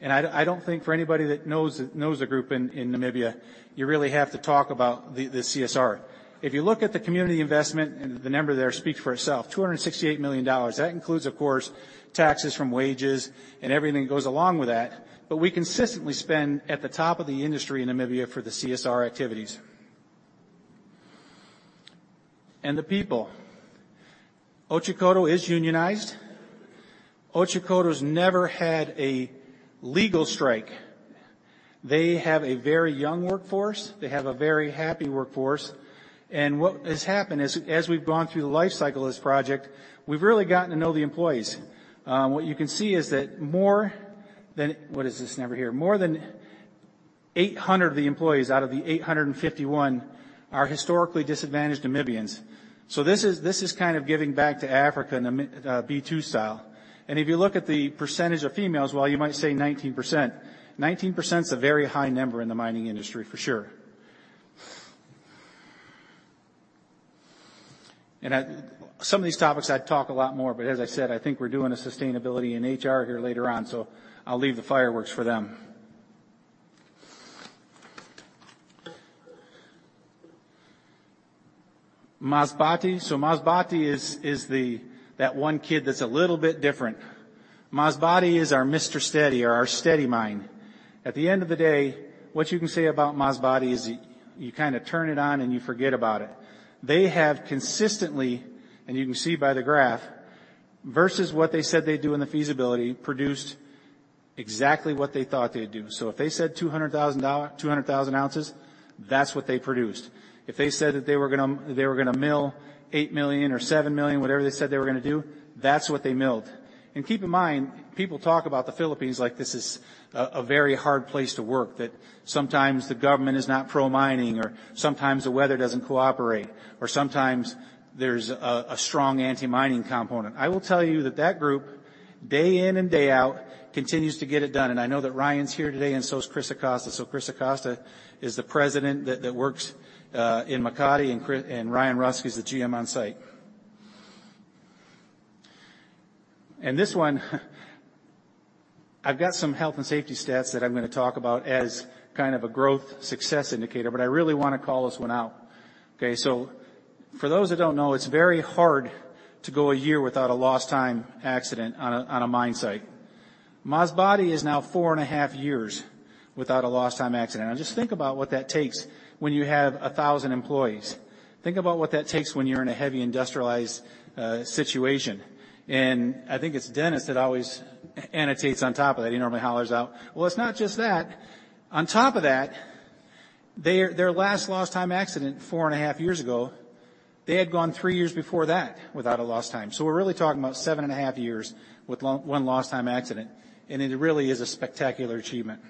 And I don't think for anybody that knows the group in Namibia, you really have to talk about the CSR. If you look at the community investment, the number there speaks for itself, 268 million dollars. That includes, of course, taxes from wages and everything that goes along with that. But we consistently spend at the top of the industry in Namibia for the CSR activities. And the people. Otjikoto is unionized. Otjikoto's never had a legal strike. They have a very young workforce. They have a very happy workforce. And what has happened is, as we've gone through the life cycle of this project, we've really gotten to know the employees. What you can see is that more than, what is this number here, more than 800 of the employees out of the 851 are historically disadvantaged Namibians. So this is kind of giving back to Africa in a B2 style. And if you look at the percentage of females, well, you might say 19%. 19% is a very high number in the mining industry, for sure. And some of these topics, I'd talk a lot more, but as I said, I think we're doing a sustainability in HR here later on, so I'll leave the fireworks for them. Masbate. So Masbate is that one kid that's a little bit different. Masbate is our Mr. Steady or our Steady Mine. At the end of the day, what you can say about Masbate is you kind of turn it on and you forget about it. They have consistently, and you can see by the graph, versus what they said they'd do in the feasibility, produced exactly what they thought they'd do. So if they said 200,000 ounces, that's what they produced. If they said that they were going to mill 8 million or 7 million, whatever they said they were going to do, that's what they milled. And keep in mind, people talk about the Philippines like this is a very hard place to work, that sometimes the government is not pro-mining, or sometimes the weather doesn't cooperate, or sometimes there's a strong anti-mining component. I will tell you that that group, day in and day out, continues to get it done. And I know that Ryan's here today, and so is Cris Acosta. So Cris Acosta is the president that works in Makati, and Ryan Rusky is the GM on site. And this one, I've got some health and safety stats that I'm going to talk about as kind of a growth success indicator, but I really want to call this one out. Okay. So for those that don't know, it's very hard to go a year without a lost-time accident on a mine site. Masbate is now four and a half years without a lost-time accident. Now, just think about what that takes when you have 1,000 employees. Think about what that takes when you're in a heavy industrialized situation. And I think it's Dennis that always annotates on top of that. He normally hollers out, "Well, it's not just that." On top of that, their last lost-time accident four and a half years ago, they had gone three years before that without a lost-time. So we're really talking about seven and a half years with one lost-time accident. And it really is a spectacular achievement.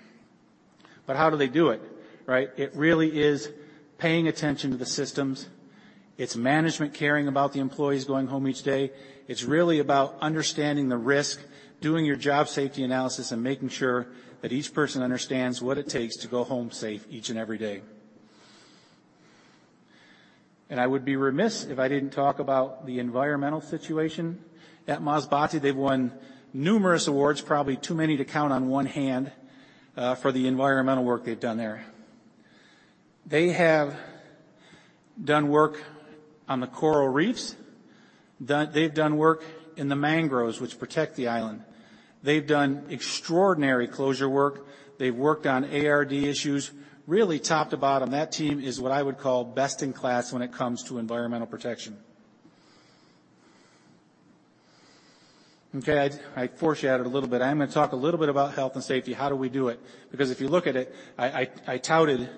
But how do they do it? Right? It really is paying attention to the systems. It's management caring about the employees going home each day. It's really about understanding the risk, doing your job safety analysis, and making sure that each person understands what it takes to go home safe each and every day. And I would be remiss if I didn't talk about the environmental situation. At Masbate, they've won numerous awards, probably too many to count on one hand for the environmental work they've done there. They have done work on the coral reefs. They've done work in the mangroves, which protect the island. They've done extraordinary closure work. They've worked on ARD issues, really top to bottom. That team is what I would call best in class when it comes to environmental protection. Okay. I foreshadowed a little bit. I'm going to talk a little bit about health and safety. How do we do it? Because if you look at it, I touted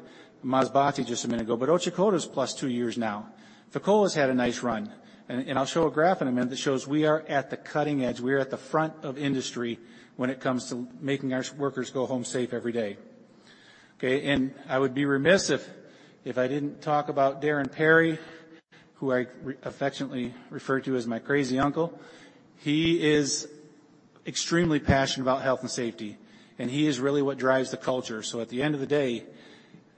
Masbate just a minute ago, but Otjikoto's plus two years now. Fekola's had a nice run. And I'll show a graph in a minute that shows we are at the cutting edge. We are at the front of industry when it comes to making our workers go home safe every day. Okay. And I would be remiss if I didn't talk about Darren Perry, who I affectionately refer to as my crazy uncle. He is extremely passionate about health and safety, and he is really what drives the culture. So at the end of the day,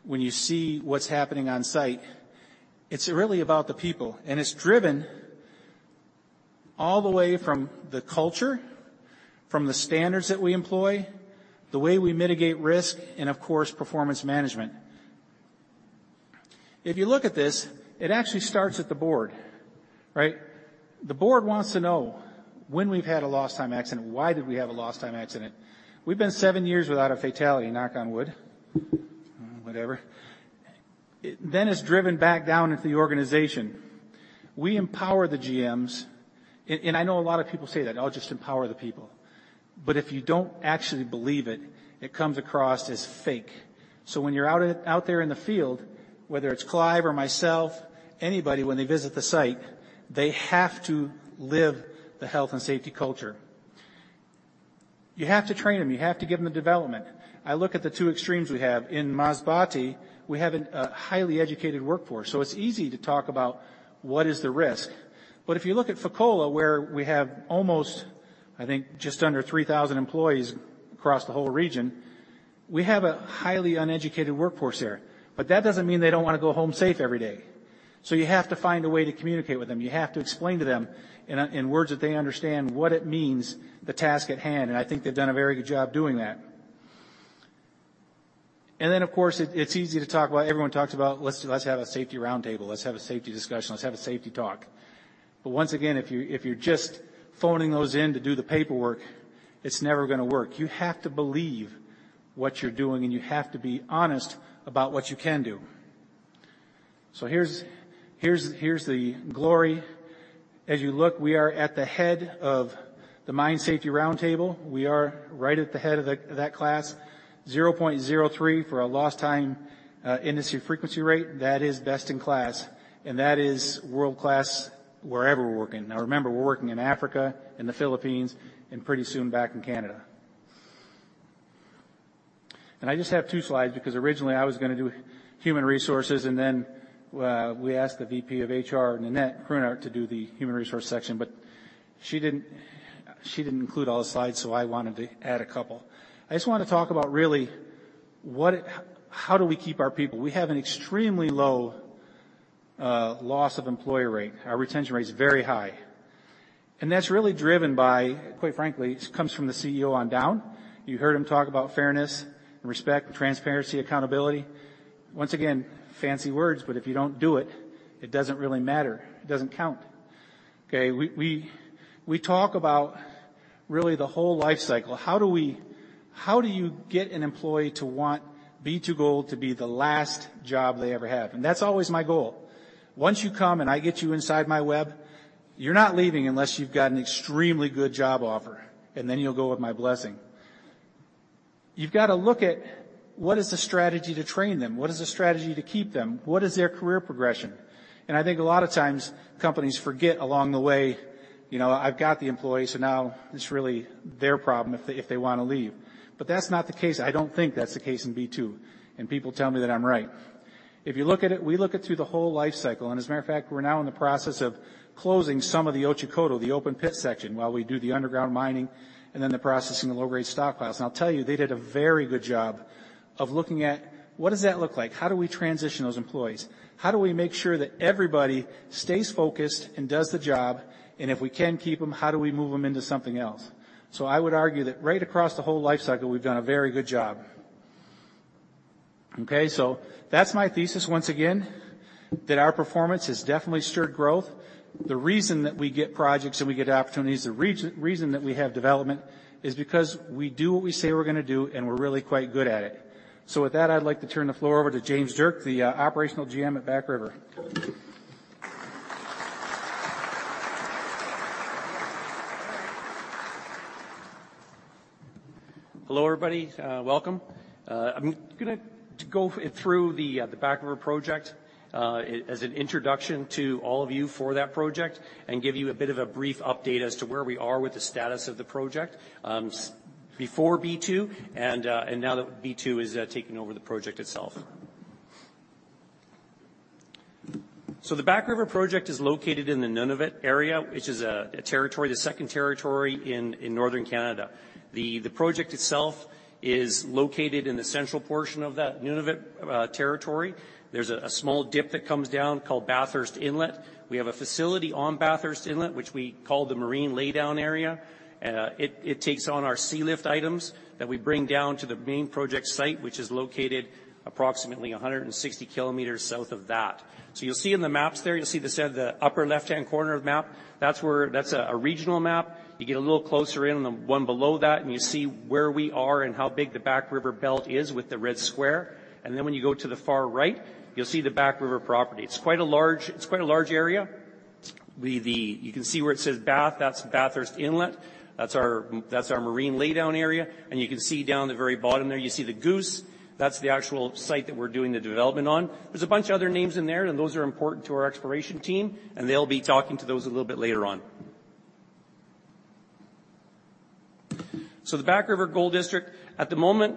when you see what's happening on site, it's really about the people. And it's driven all the way from the culture, from the standards that we employ, the way we mitigate risk, and of course, performance management. If you look at this, it actually starts at the board. Right? The board wants to know when we've had a lost-time accident, why did we have a lost-time accident. We've been seven years without a fatality, knock on wood, whatever. Then it's driven back down into the organization. We empower the GMs. And I know a lot of people say that, "I'll just empower the people." But if you don't actually believe it, it comes across as fake. So when you're out there in the field, whether it's Clive or myself, anybody, when they visit the site, they have to live the health and safety culture. You have to train them. You have to give them the development. I look at the two extremes we have. In Masbate, we have a highly educated workforce. So it's easy to talk about what is the risk. But if you look at Fekola, where we have almost, I think, just under 3,000 employees across the whole region, we have a highly uneducated workforce there. But that doesn't mean they don't want to go home safe every day. So you have to find a way to communicate with them. You have to explain to them in words that they understand what it means, the task at hand. And I think they've done a very good job doing that. And then, of course, it's easy to talk about everyone talks about, "Let's have a safety roundtable. Let's have a safety discussion. Let's have a safety talk." But once again, if you're just phoning those in to do the paperwork, it's never going to work. You have to believe what you're doing, and you have to be honest about what you can do. So here's the glory. As you look, we are at the head of the mine safety roundtable. We are right at the head of that class. 0.03 for a lost-time industry frequency rate. That is best in class. And that is world-class wherever we're working. Now, remember, we're working in Africa, in the Philippines, and pretty soon back in Canada. And I just have two slides because originally, I was going to do human resources, and then we asked the VP of HR, Ninette Kröhnert, to do the human resource section. But she didn't include all the slides, so I wanted to add a couple. I just want to talk about, really, how do we keep our people. We have an extremely low loss of employee rate. Our retention rate is very high, and that's really driven by, quite frankly, it comes from the CEO on down. You heard him talk about fairness and respect and transparency, accountability. Once again, fancy words, but if you don't do it, it doesn't really matter. It doesn't count. Okay. We talk about, really, the whole life cycle. How do you get an employee to want B2Gold to be the last job they ever have, and that's always my goal. Once you come and I get you inside my web, you're not leaving unless you've got an extremely good job offer, and then you'll go with my blessing. You've got to look at what is the strategy to train them. What is the strategy to keep them? What is their career progression? And I think a lot of times, companies forget along the way, "I've got the employee, so now it's really their problem if they want to leave." But that's not the case. I don't think that's the case in B2. And people tell me that I'm right. If you look at it, we look at through the whole life cycle. And as a matter of fact, we're now in the process of closing some of the Otjikoto, the open pit section, while we do the underground mining and then the processing of low-grade stockpiles. And I'll tell you, they did a very good job of looking at what does that look like? How do we transition those employees? How do we make sure that everybody stays focused and does the job? And if we can keep them, how do we move them into something else? So I would argue that right across the whole life cycle, we've done a very good job. Okay. So that's my thesis once again, that our performance has definitely stirred growth. The reason that we get projects and we get opportunities, the reason that we have development is because we do what we say we're going to do, and we're really quite good at it. So with that, I'd like to turn the floor over to James Durk, the operational GM at Back River. Hello, everybody. Welcome. I'm going to go through the Back River project as an introduction to all of you for that project and give you a bit of a brief update as to where we are with the status of the project before B2 and now that B2 is taking over the project itself. The Back River project is located in the Nunavut area, which is the second territory in Northern Canada. The project itself is located in the central portion of that Nunavut territory. There's a small dip that comes down called Bathurst Inlet. We have a facility on Bathurst Inlet, which we call the Marine Laydown Area. It takes on our sea lift items that we bring down to the main project site, which is located approximately 160 km south of that. You'll see in the maps there, you'll see the upper left-hand corner of the map. That's a regional map. You get a little closer in on the one below that, and you see where we are and how big the Back River belt is with the red square. When you go to the far right, you'll see the Back River property. It's quite a large area. You can see where it says Bath. That's Bathurst Inlet. That's our Marine Laydown Area. And you can see down the very bottom there, you see the Goose. That's the actual site that we're doing the development on. There's a bunch of other names in there, and those are important to our exploration team, and they'll be talking to those a little bit later on. The Back River Gold District, at the moment,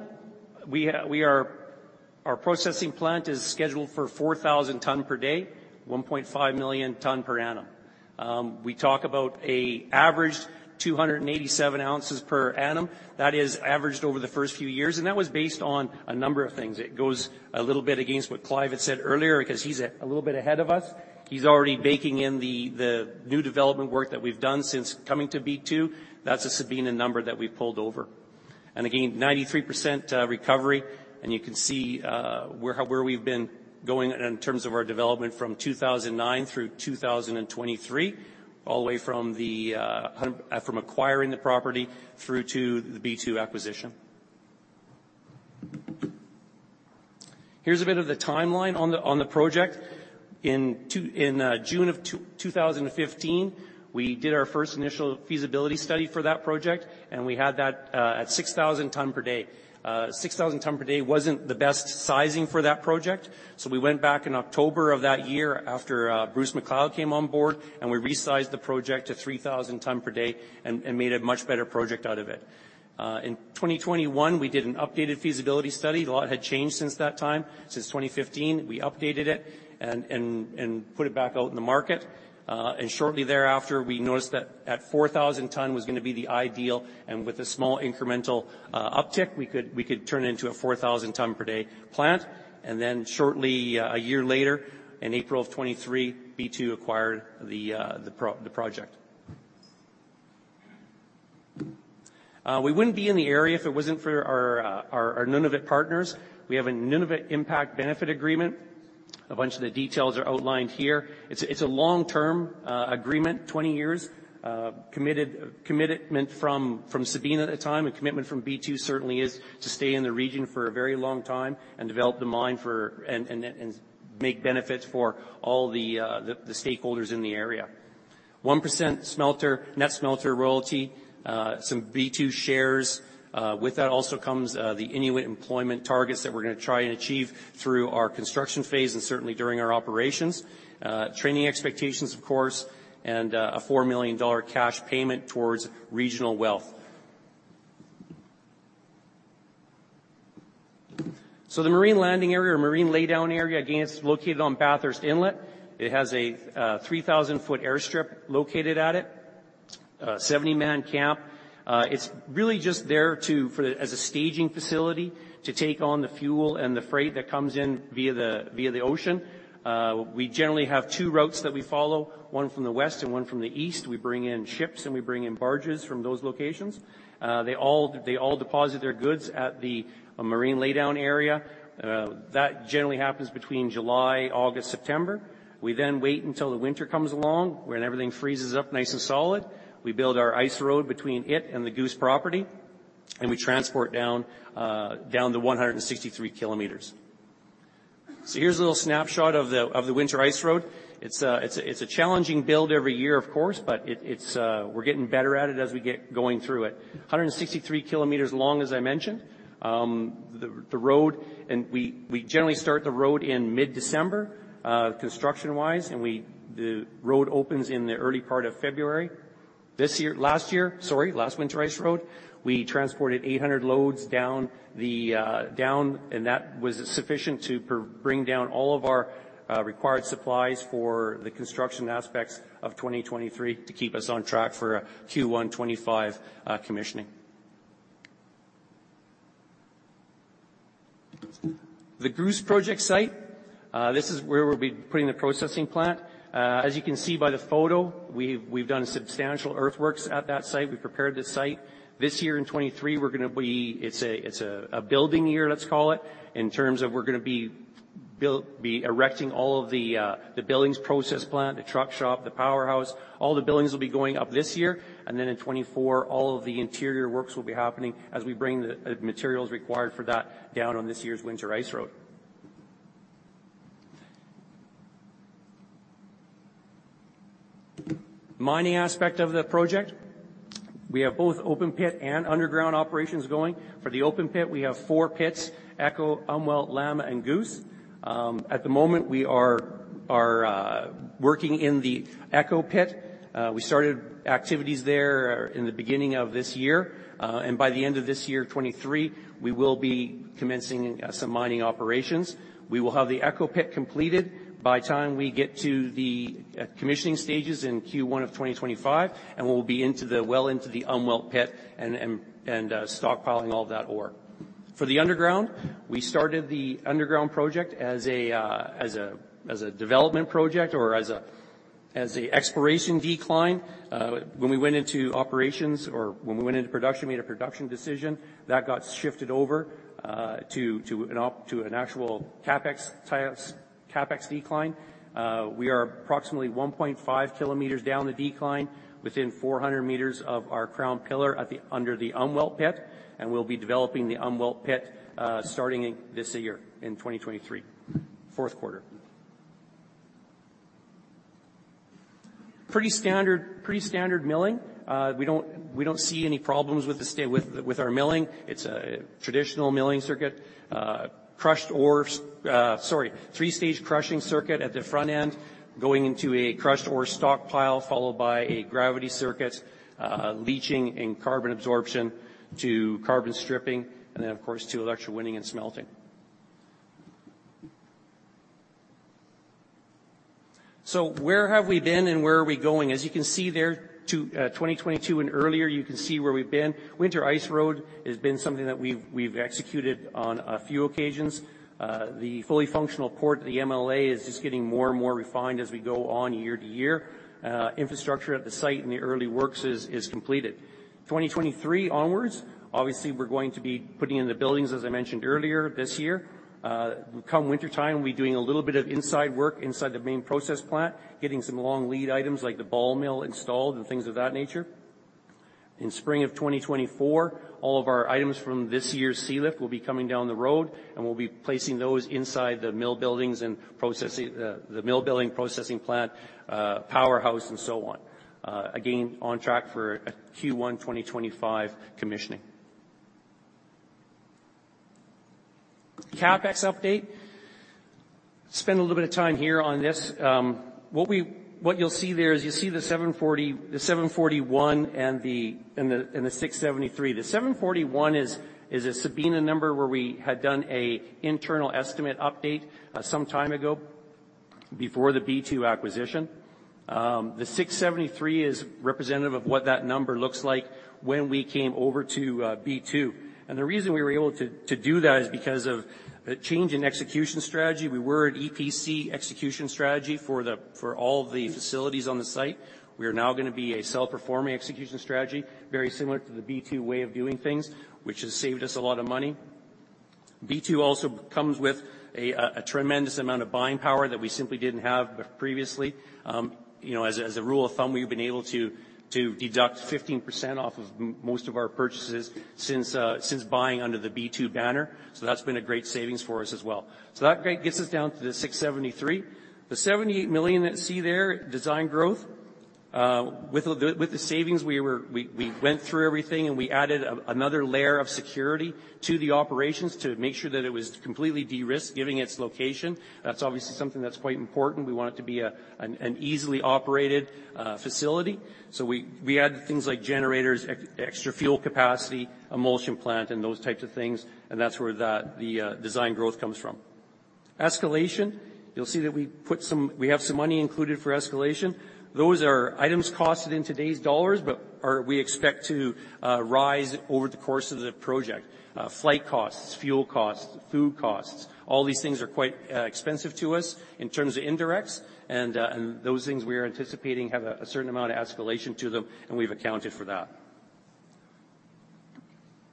our processing plant is scheduled for 4,000 ton per day, 1.5 million ton per annum. We talk about an average 287 ounces per annum. That is averaged over the first few years. And that was based on a number of things. It goes a little bit against what Clive had said earlier because he's a little bit ahead of us. He's already baking in the new development work that we've done since coming to B2. That's a Sabina number that we pulled over, and again, 93% recovery. You can see where we've been going in terms of our development from 2009 through 2023, all the way from acquiring the property through to the B2 acquisition. Here's a bit of the timeline on the project. In June of 2015, we did our first initial feasibility study for that project, and we had that at 6,000 tons per day. 6,000 tons per day wasn't the best sizing for that project. So we went back in October of that year after Bruce McLeod came on board, and we resized the project to 3,000 ton per day and made a much better project out of it. In 2021, we did an updated feasibility study. A lot had changed since that time. Since 2015, we updated it and put it back out in the market. And shortly thereafter, we noticed that a 4,000-ton was going to be the ideal. And with a small incremental uptick, we could turn it into a 4,000-ton per day plant. And then shortly a year later, in April of 2023, B2 acquired the project. We wouldn't be in the area if it wasn't for our Nunavut partners. We have a Nunavut impact benefit agreement. A bunch of the details are outlined here. It's a long-term agreement, 20 years, commitment from Sabina at the time, and commitment from B2 certainly is to stay in the region for a very long time and develop the mine and make benefits for all the stakeholders in the area. 1% net smelter royalty, some B2 shares. With that also comes the Inuit employment targets that we're going to try and achieve through our construction phase and certainly during our operations. Training expectations, of course, and a 4 million dollar cash payment towards regional wealth. So the Marine Landing Area or Marine Laydown Area, again, it's located on Bathurst Inlet. It has a 3,000-foot airstrip located at it, 70-man camp. It's really just there as a staging facility to take on the fuel and the freight that comes in via the ocean. We generally have two routes that we follow, one from the west and one from the east. We bring in ships and we bring in barges from those locations. They all deposit their goods at the Marine Laydown Area. That generally happens between July, August, September. We then wait until the winter comes along when everything freezes up nice and solid. We build our ice road between it and the Goose property, and we transport down the 163 km. So here's a little snapshot of the winter ice road. It's a challenging build every year, of course, but we're getting better at it as we get going through it. 163 km long, as I mentioned. The road, and we generally start the road in mid-December construction-wise, and the road opens in the early part of February. Last year, sorry, last winter ice road, we transported 800 loads down the, and that was sufficient to bring down all of our required supplies for the construction aspects of 2023 to keep us on track for Q1 2025 commissioning. The Goose project site, this is where we'll be putting the processing plant. As you can see by the photo, we've done substantial earthworks at that site. We prepared the site. This year in 2023, we're going to be. It's a building year, let's call it, in terms of we're going to be erecting all of the buildings: process plant, the truck shop, the powerhouse. All the buildings will be going up this year. Then in 2024, all of the interior works will be happening as we bring the materials required for that down on this year's winter ice road. Mining aspect of the project. We have both open pit and underground operations going. For the open pit, we have four pits: Echo, Umwelt, Llama, and Goose. At the moment, we are working in the Echo pit. We started activities there in the beginning of this year. By the end of this year, 2023, we will be commencing some mining operations. We will have the Echo pit completed by the time we get to the commissioning stages in Q1 of 2025, and we'll be well into the Umwelt pit and stockpiling all that ore. For the underground, we started the underground project as a development project or as an exploration decline. When we went into operations or when we went into production, made a production decision, that got shifted over to an actual CapEx decline. We are approximately 1.5 km down the decline within 400 m of our crown pillar under the Umwelt pit. We'll be developing the Umwelt pit starting this year in 2023, fourth quarter. Pretty standard milling. We don't see any problems with our milling. It's a traditional milling circuit, crushed ore, sorry, three-stage crushing circuit at the front end going into a crushed ore stockpile followed by a gravity circuit, leaching and carbon absorption to carbon stripping, and then, of course, to electrolyzing and smelting. So where have we been and where are we going? As you can see there, 2022 and earlier, you can see where we've been. Winter ice road has been something that we've executed on a few occasions. The fully functional port, the MLA, is just getting more and more refined as we go on year to year. Infrastructure at the site and the early works is completed. 2023 onwards, obviously, we're going to be putting in the buildings, as I mentioned earlier, this year. Come wintertime, we'll be doing a little bit of inside work inside the main process plant, getting some long lead items like the ball mill installed and things of that nature. In spring of 2024, all of our items from this year's sea lift will be coming down the road, and we'll be placing those inside the mill buildings and the mill building processing plant, powerhouse, and so on. Again, on track for Q1 2025 commissioning. CapEx update. Spend a little bit of time here on this. What you'll see there is you'll see the 741 and the 673. The 741 is a Sabina number where we had done an internal estimate update some time ago before the B2 acquisition. The 673 is representative of what that number looks like when we came over to B2. The reason we were able to do that is because of a change in execution strategy. We were an EPC execution strategy for all the facilities on the site. We are now going to be a self-performing execution strategy, very similar to the B2 way of doing things, which has saved us a lot of money. B2 also comes with a tremendous amount of buying power that we simply didn't have previously. As a rule of thumb, we've been able to deduct 15% off of most of our purchases since buying under the B2 banner. So that's been a great savings for us as well. So that gets us down to the 673 million. The 78 million that you see there, design growth. With the savings, we went through everything, and we added another layer of security to the operations to make sure that it was completely de-risked, given its location. That's obviously something that's quite important. We want it to be an easily operated facility. So we added things like generators, extra fuel capacity, emulsion plant, and those types of things. And that's where the design growth comes from. Escalation. You'll see that we have some money included for escalation. Those are items costed in today's dollars, but we expect to rise over the course of the project. Flight costs, fuel costs, food costs, all these things are quite expensive to us in terms of indirects. And those things we are anticipating have a certain amount of escalation to them, and we've accounted for that.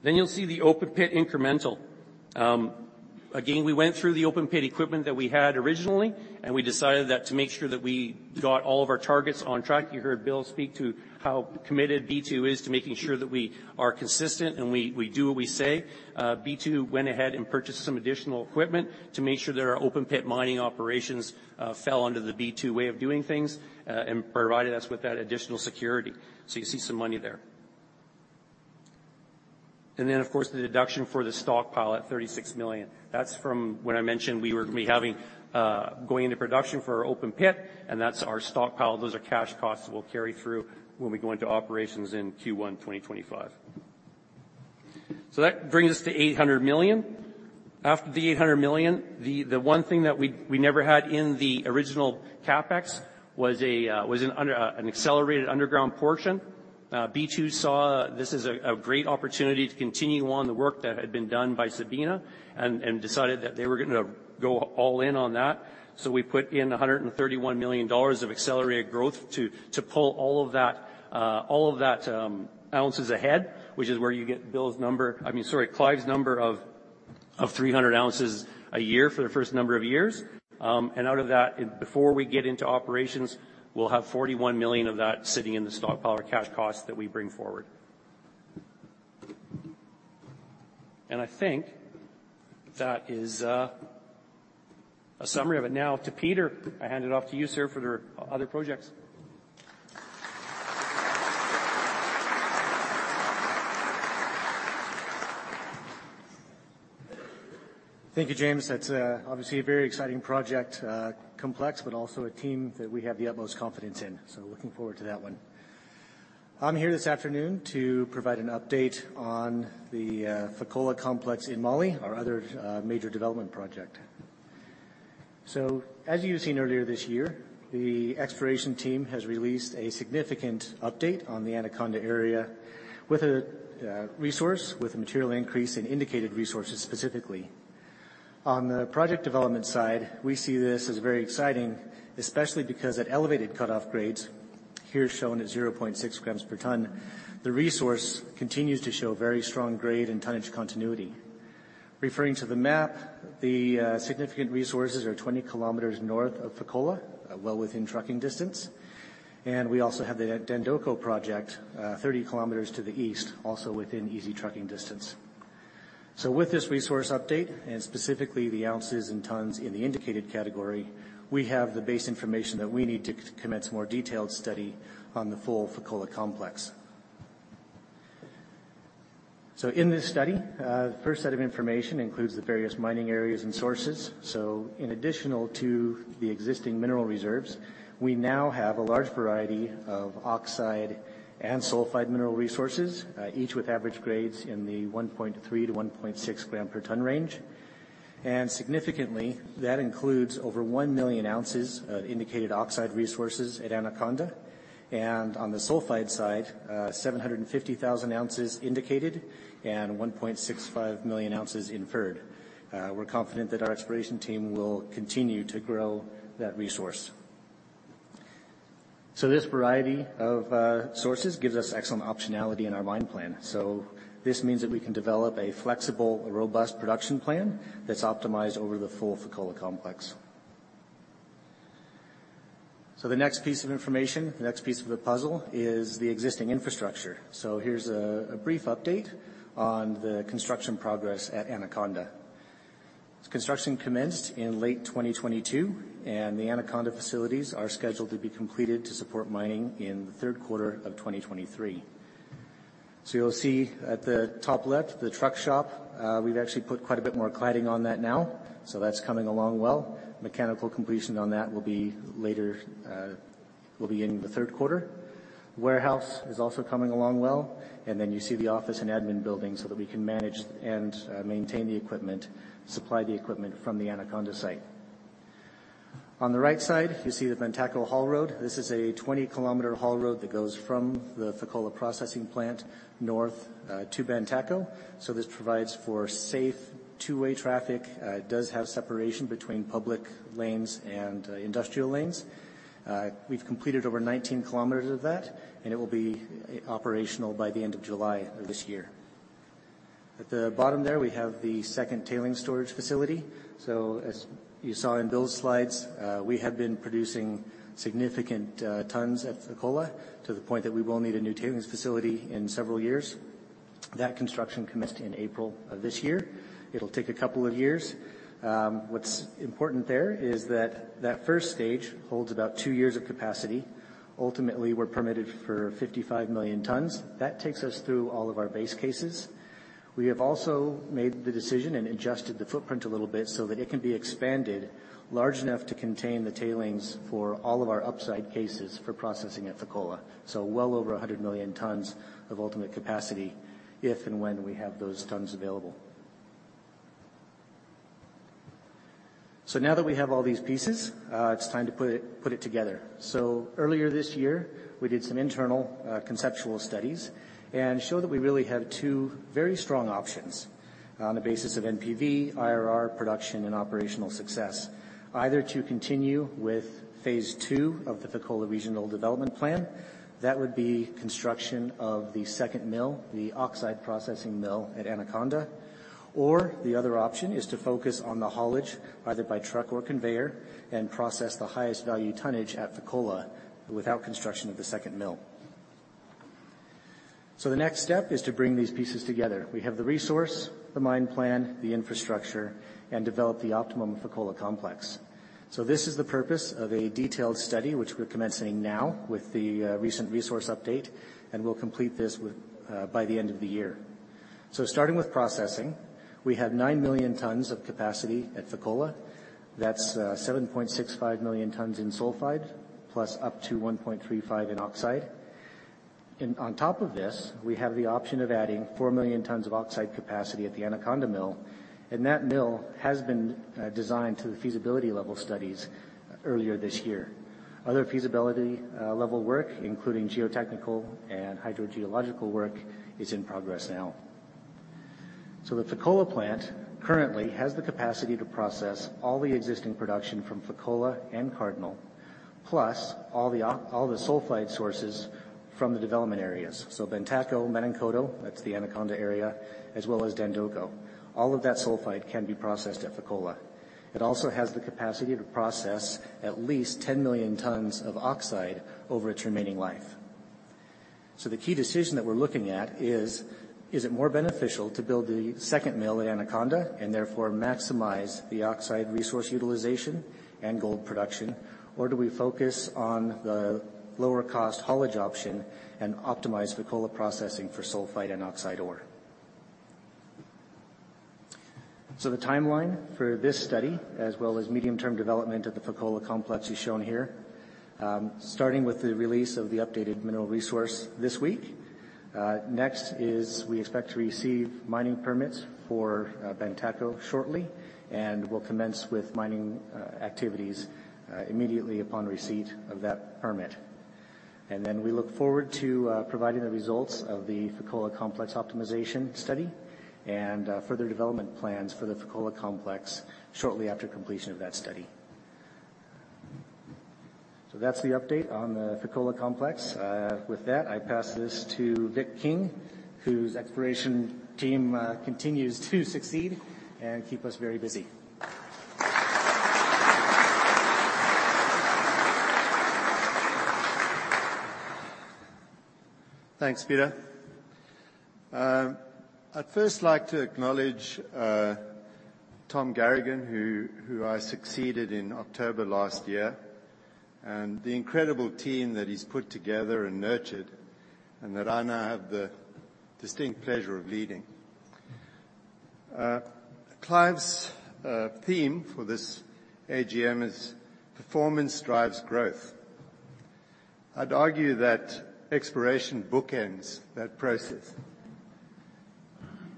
Then you'll see the open pit incremental. Again, we went through the open pit equipment that we had originally, and we decided that to make sure that we got all of our targets on track. You heard Bill speak to how committed B2 is to making sure that we are consistent and we do what we say. B2 went ahead and purchased some additional equipment to make sure that our open pit mining operations fell under the B2 way of doing things and provided us with that additional security. So you see some money there. And then, of course, the deduction for the stockpile, at 36 million. That's from when I mentioned we were going into production for our open pit, and that's our stockpile. Those are cash costs we'll carry through when we go into operations in Q1 2025. So that brings us to 800 million. After the 800 million, the one thing that we never had in the original CapEx was an accelerated underground portion. B2 saw this as a great opportunity to continue on the work that had been done by Sabina and decided that they were going to go all in on that. So we put in 131 million dollars of accelerated growth to pull all of that, all of that ounces ahead, which is where you get Bill's number, I mean, sorry, Clive's number of 300 ounces a year for the first number of years. And out of that, before we get into operations, we'll have 41 million of that sitting in the stockpile or cash costs that we bring forward. And I think that is a summary of it. Now, to Peter, I hand it off to you, sir, for the other projects. Thank you, James. That's obviously a very exciting project, complex, but also a team that we have the utmost confidence in. So looking forward to that one. I'm here this afternoon to provide an update on the Fekola Complex in Mali, our other major development project. So as you've seen earlier this year, the exploration team has released a significant update on the Anaconda area with a resource, with a material increase in indicated resources specifically. On the project development side, we see this as very exciting, especially because at elevated cut-off grades, here shown at 0.6 grams per ton, the resource continues to show very strong grade and tonnage continuity. Referring to the map, the significant resources are 20 km north of Fekola, well within trucking distance. And we also have the Dandoko project, 30 km to the east, also within easy trucking distance. With this resource update, and specifically the ounces and tons in the indicated category, we have the base information that we need to commence a more detailed study on the full Fekola Complex. In this study, the first set of information includes the various mining areas and sources. In addition to the existing mineral reserves, we now have a large variety of oxide and sulfide mineral resources, each with average grades in the 1.3 gram-1.6 gram per ton range. Significantly, that includes over 1 million ounces of indicated oxide resources at Anaconda. On the sulfide side, 750,000 ounces indicated and 1.65 million ounces inferred. We're confident that our exploration team will continue to grow that resource. This variety of sources gives us excellent optionality in our mine plan. This means that we can develop a flexible, robust production plan that's optimized over the full Fekola Complex. The next piece of information, the next piece of the puzzle is the existing infrastructure. Here's a brief update on the construction progress at Anaconda. Construction commenced in late 2022, and the Anaconda facilities are scheduled to be completed to support mining in the third quarter of 2023. You'll see at the top left, the truck shop, we've actually put quite a bit more cladding on that now. That's coming along well. Mechanical completion on that will be later in the third quarter. Warehouse is also coming along well. Then you see the office and admin building so that we can manage and maintain the equipment, supply the equipment from the Anaconda site. On the right side, you see the Bantako haul road. This is a 20 km haul road that goes from the Fekola processing plant north to Bantako. So this provides for safe two-way traffic. It does have separation between public lanes and industrial lanes. We've completed over 19 km of that, and it will be operational by the end of July of this year. At the bottom there, we have the second tailings storage facility. So as you saw in Bill's slides, we have been producing significant tons at Fekola to the point that we will need a new tailings facility in several years. That construction commenced in April of this year. It'll take a couple of years. What's important there is that that first stage holds about two years of capacity. Ultimately, we're permitted for 55 million tons. That takes us through all of our base cases. We have also made the decision and adjusted the footprint a little bit so that it can be expanded large enough to contain the tailings for all of our upside cases for processing at Fekola, so well over 100 million tons of ultimate capacity if and when we have those tons available, so now that we have all these pieces, it's time to put it together, so earlier this year, we did some internal conceptual studies and showed that we really have two very strong options on the basis of NPV, IRR, production, and operational success. Either to continue with phase II of the Fekola Regional Development Plan, that would be construction of the second mill, the oxide processing mill at Anaconda. Or the other option is to focus on the haulage, either by truck or conveyor, and process the highest value tonnage at Fekola without construction of the second mill. So the next step is to bring these pieces together. We have the resource, the mine plan, the infrastructure, and develop the optimum Fekola Complex. So this is the purpose of a detailed study, which we're commencing now with the recent resource update, and we'll complete this by the end of the year. So starting with processing, we have 9 million tons of capacity at Fekola. That's 7.65 million tons in sulfide, plus up to 1.35 in oxide. And on top of this, we have the option of adding 4 million tons of oxide capacity at the Anaconda mill. And that mill has been designed to the feasibility level studies earlier this year. Other feasibility level work, including geotechnical and hydrogeological work, is in progress now. So the Fekola plant currently has the capacity to process all the existing production from Fekola and Cardinal, plus all the sulfide sources from the development areas. So Bantako, Menankoto, that's the Anaconda area, as well as Dandoko. All of that sulfide can be processed at Fekola. It also has the capacity to process at least 10 million tons of oxide over its remaining life. So the key decision that we're looking at is, is it more beneficial to build the second mill at Anaconda and therefore maximize the oxide resource utilization and gold production, or do we focus on the lower-cost haulage option and optimize Fekola processing for sulfide and oxide ore? So the timeline for this study, as well as medium-term development of the Fekola Complex, is shown here. Starting with the release of the updated mineral resource this week. Next is we expect to receive mining permits for Bantako shortly, and we'll commence with mining activities immediately upon receipt of that permit. And then we look forward to providing the results of the Fekola Complex optimization study and further development plans for the Fekola Complex shortly after completion of that study. So that's the update on the Fekola Complex. With that, I pass this to Vic King, whose exploration team continues to succeed and keep us very busy. Thanks, Peter. I'd first like to acknowledge Tom Garagan, who I succeeded in October last year, and the incredible team that he's put together and nurtured, and that I now have the distinct pleasure of leading. Clive's theme for this AGM is "Performance Drives Growth." I'd argue that exploration bookends that process.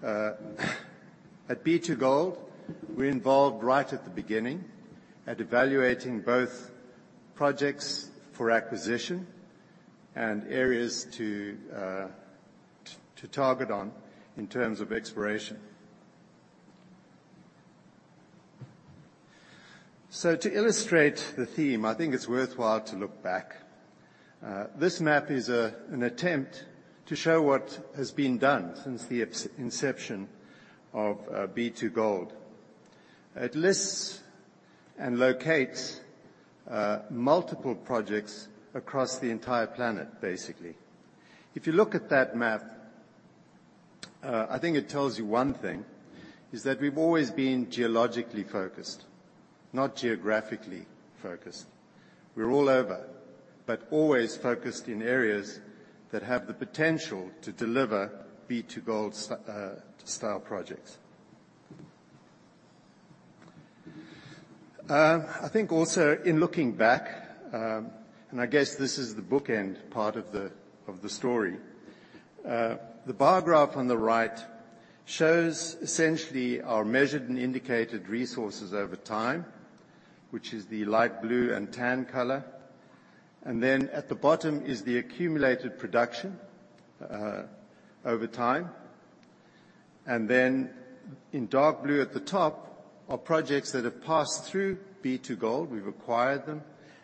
At B2Gold, we're involved right at the beginning at evaluating both projects for acquisition and areas to target on in terms of exploration. So to illustrate the theme, I think it's worthwhile to look back. This map is an attempt to show what has been done since the inception of B2Gold. It lists and locates multiple projects across the entire planet, basically. If you look at that map, I think it tells you one thing, is that we've always been geologically focused, not geographically focused. We're all over, but always focused in areas that have the potential to deliver B2Gold-style projects. I think also in looking back, and I guess this is the bookend part of the story, the bar graph on the right shows essentially our measured and indicated resources over time, which is the light blue and tan color. Then at the bottom is the accumulated production over time. In dark blue at the top are projects that have passed through B2Gold. We've acquired them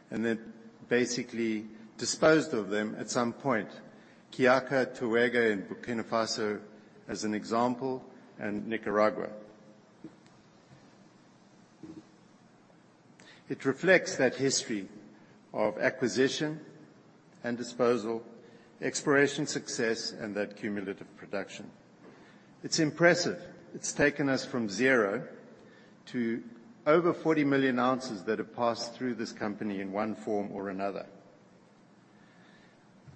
and then basically disposed of them at some point. Kiaka, Toega, and Burkina Faso as an example, and Nicaragua. It reflects that history of acquisition and disposal, exploration success, and that cumulative production. It's impressive. It's taken us from zero to over 40 million ounces that have passed through this company in one form or another.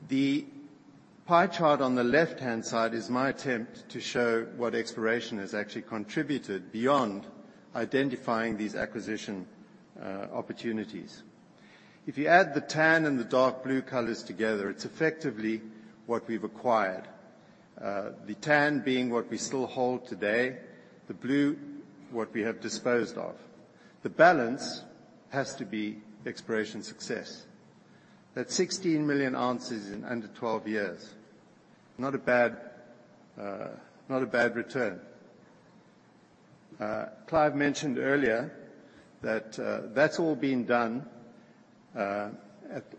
The pie chart on the left-hand side is my attempt to show what exploration has actually contributed beyond identifying these acquisition opportunities. If you add the tan and the dark blue colors together, it's effectively what we've acquired. The tan being what we still hold today, the blue what we have disposed of. The balance has to be exploration success. That's 16 million ounces in under 12 years. Not a bad return. Clive mentioned earlier that that's all been done at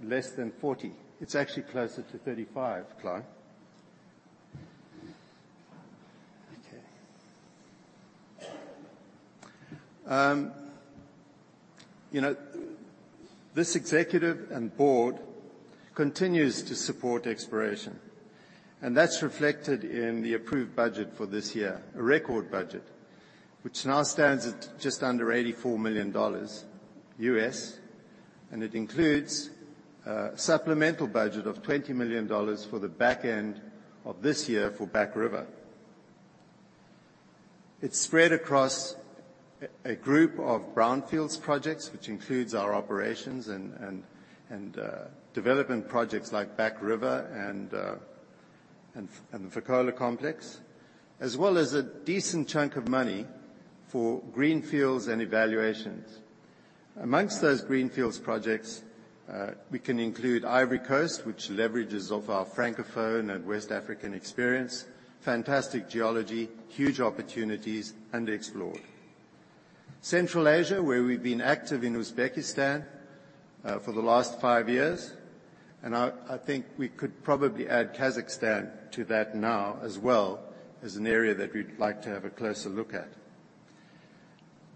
less than 40. It's actually closer to 35, Clive. Okay. This executive and board continues to support exploration. And that's reflected in the approved budget for this year, a record budget, which now stands at just under CAD 84 million, and it includes a supplemental budget of 20 million dollars for the back end of this year for Back River. It's spread across a group of brownfields projects, which includes our operations and development projects like Back River and the Fekola Complex, as well as a decent chunk of money for greenfields and evaluations. Amongst those greenfields projects, we can include Ivory Coast, which leverages off our Francophone and West African experience, fantastic geology, huge opportunities, underexplored. Central Asia, where we've been active in Uzbekistan for the last five years. I think we could probably add Kazakhstan to that now as well as an area that we'd like to have a closer look at.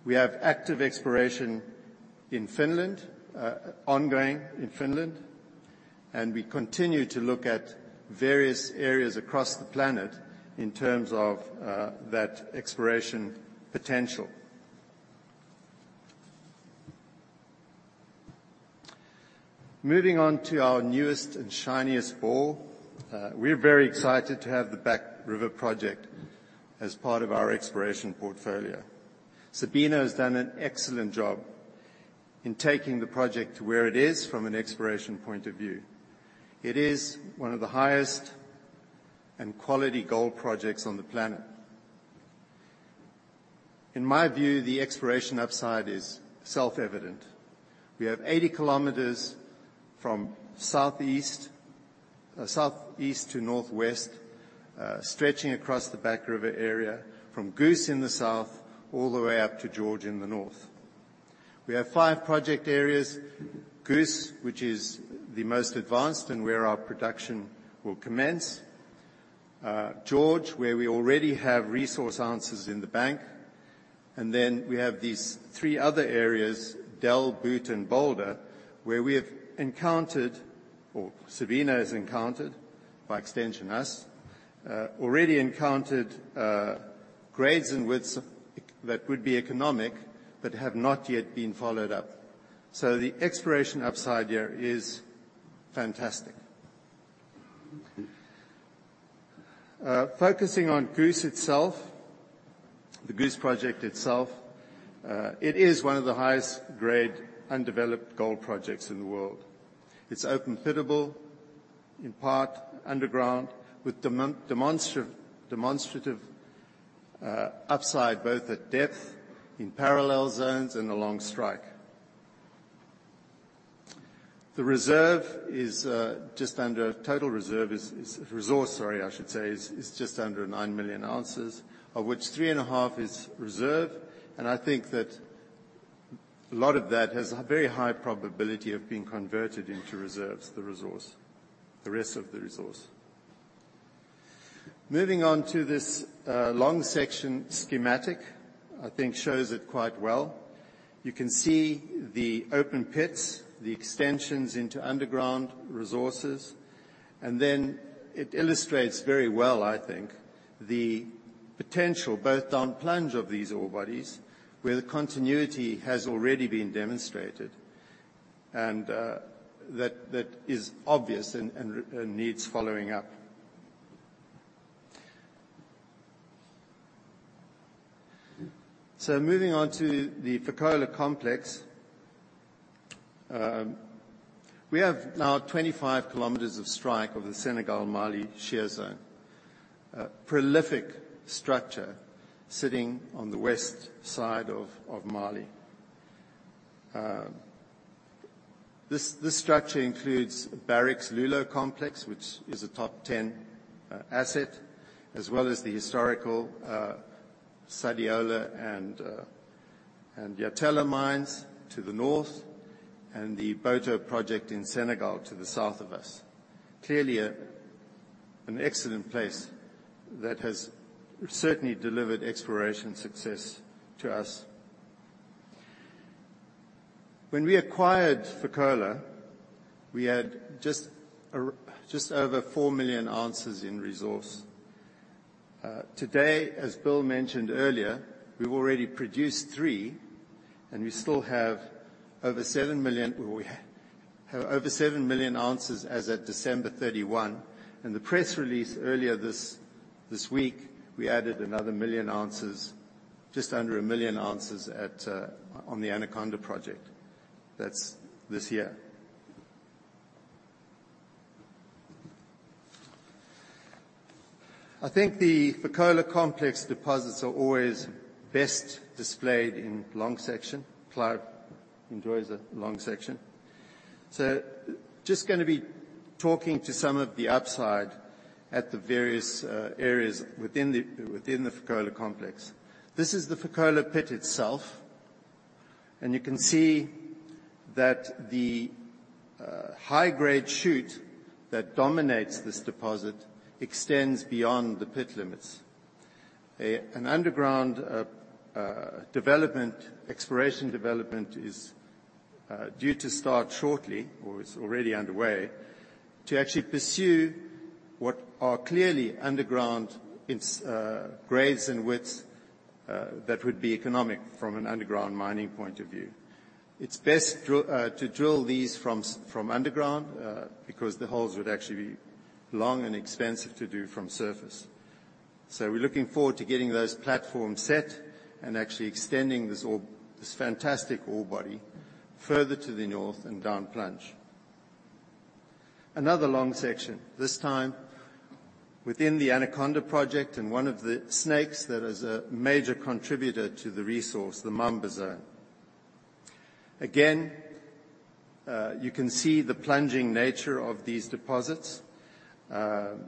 We have active exploration in Finland, ongoing in Finland, and we continue to look at various areas across the planet in terms of that exploration potential. Moving on to our newest and shiniest ball, we're very excited to have the Back River project as part of our exploration portfolio. Sabina has done an excellent job in taking the project to where it is from an exploration point of view. It is one of the highest and quality gold projects on the planet. In my view, the exploration upside is self-evident. We have 80 km from southeast to northwest, stretching across the Back River area from Goose in the south all the way up to George in the north. We have five project areas: Goose, which is the most advanced and where our production will commence. George, where we already have resource answers in the bank. And then we have these three other areas, Del, Boot, and Boulder, where we have encountered, or Sabina has encountered, by extension us, already encountered grades and widths that would be economic but have not yet been followed up. So the exploration upside there is fantastic. Focusing on Goose itself, the Goose project itself, it is one of the highest-grade undeveloped gold projects in the world. It's open pittable, in part underground, with demonstrative upside both at depth, in parallel zones, and along strike. The reserve is just under total reserve, resource, sorry, I should say, is just under 9 million ounces, of which 3.5 million is reserve. And I think that a lot of that has a very high probability of being converted into reserves, the resource, the rest of the resource. Moving on to this long section schematic, I think shows it quite well. You can see the open pits, the extensions into underground resources. And then it illustrates very well, I think, the potential both down plunge of these ore bodies, where the continuity has already been demonstrated, and that is obvious and needs following up. So moving on to the Fekola Complex, we have now 25 km of strike of the Senegal Mali Shear Zone, prolific structure sitting on the west side of Mali. This structure includes Barrick's Loulo complex, which is a top 10 asset, as well as the historical Sadiola and Yatela mines to the north, and the Boto project in Senegal to the south of us. Clearly, an excellent place that has certainly delivered exploration success to us. When we acquired Fekola, we had just over 4 million ounces in resource. Today, as Bill mentioned earlier, we've already produced three, and we still have over seven million ounces as at December 31. In the press release earlier this week, we added another million ounces, just under a million ounces on the Anaconda project. That's this year. I think the Fekola Complex deposits are always best displayed in long section. Clive enjoys a long section. So just going to be talking to some of the upside at the various areas within the Fekola Complex. This is the Fekola pit itself, and you can see that the high-grade shoot that dominates this deposit extends beyond the pit limits. An underground development, exploration development, is due to start shortly, or it's already underway, to actually pursue what are clearly underground grades and widths that would be economic from an underground mining point of view. It's best to drill these from underground because the holes would actually be long and expensive to do from surface. So we're looking forward to getting those platforms set and actually extending this fantastic ore body further to the north and down plunge. Another long section, this time within the Anaconda project and one of the snakes that is a major contributor to the resource, the Mamba zone. Again, you can see the plunging nature of these deposits. The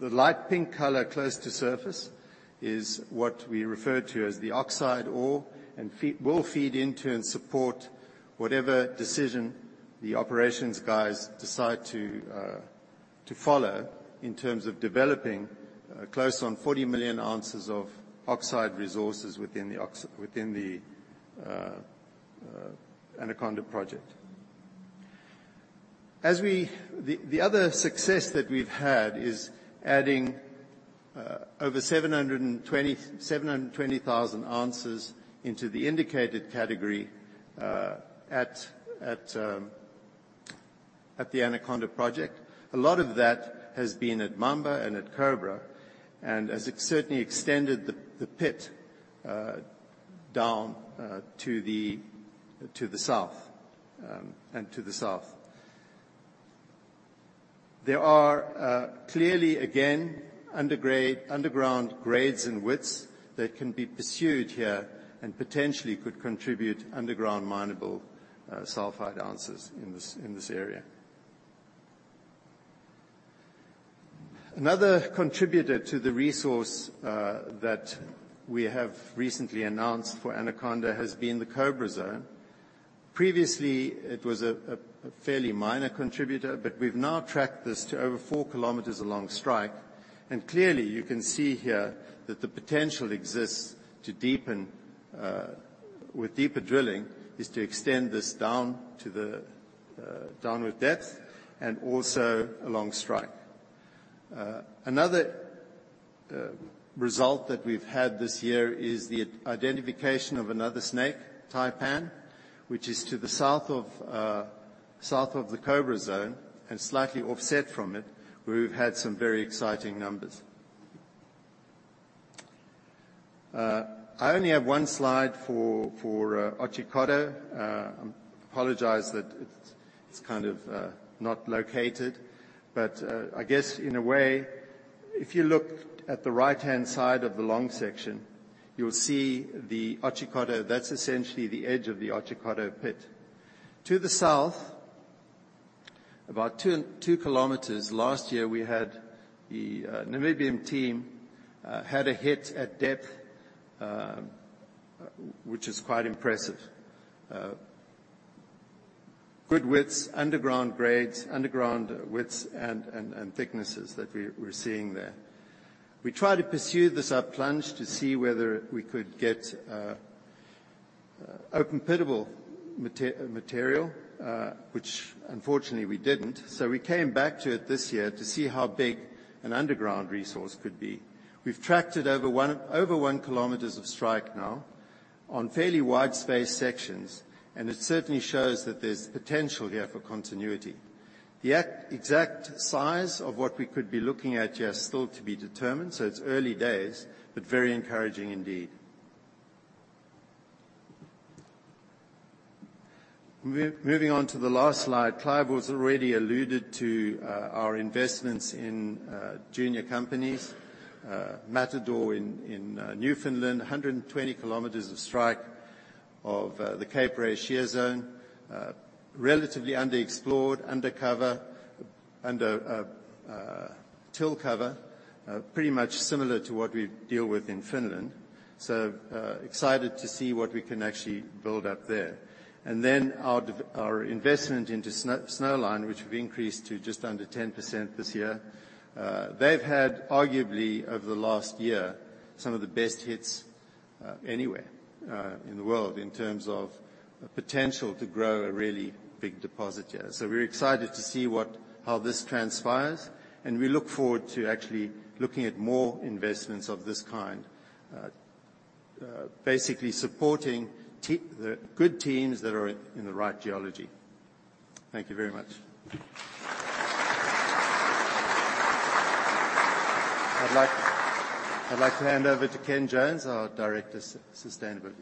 light pink color close to surface is what we refer to as the oxide ore and will feed into and support whatever decision the operations guys decide to follow in terms of developing close on 40 million ounces of oxide resources within the Anaconda project. The other success that we've had is adding over 720,000 ounces into the indicated category at the Anaconda project. A lot of that has been at Mamba and at Cobra, and has certainly extended the pit down to the south and to the south. There are clearly, again, underground grades and widths that can be pursued here and potentially could contribute underground minable sulfide ounces in this area. Another contributor to the resource that we have recently announced for Anaconda has been the Cobra zone. Previously, it was a fairly minor contributor, but we've now tracked this to over 4 km along strike. Clearly, you can see here that the potential exists to deepen with deeper drilling is to extend this down with depth and also along strike. Another result that we've had this year is the identification of another snake, Taipan, which is to the south of the Cobra zone and slightly offset from it, where we've had some very exciting numbers. I only have one slide for Otjikoto. I apologize that it's kind of not located. But I guess in a way, if you look at the right-hand side of the long section, you'll see the Otjikoto. That's essentially the edge of the Otjikoto pit. To the south, about 2 km, last year we had the Namibian team a hit at depth, which is quite impressive. Good widths, underground grades, underground widths and thicknesses that we're seeing there. We tried to pursue this up plunge to see whether we could get open pittable material, which unfortunately we didn't. So we came back to it this year to see how big an underground resource could be. We've tracked it over one kilometer of strike now on fairly wide-spaced sections, and it certainly shows that there's potential here for continuity. The exact size of what we could be looking at here is still to be determined, so it's early days, but very encouraging indeed. Moving on to the last slide, Clive has already alluded to our investments in junior companies. Matador in Newfoundland, 120 km of strike of the Cape Ray Shear Zone, relatively underexplored, under cover, under till cover, pretty much similar to what we deal with in Finland. So excited to see what we can actually build up there. And then our investment into Snowline, which we've increased to just under 10% this year, they've had arguably over the last year some of the best hits anywhere in the world in terms of potential to grow a really big deposit here. So we're excited to see how this transpires, and we look forward to actually looking at more investments of this kind, basically supporting the good teams that are in the right geology. Thank you very much. I'd like to hand over to Ken Jones, our Director of Sustainability.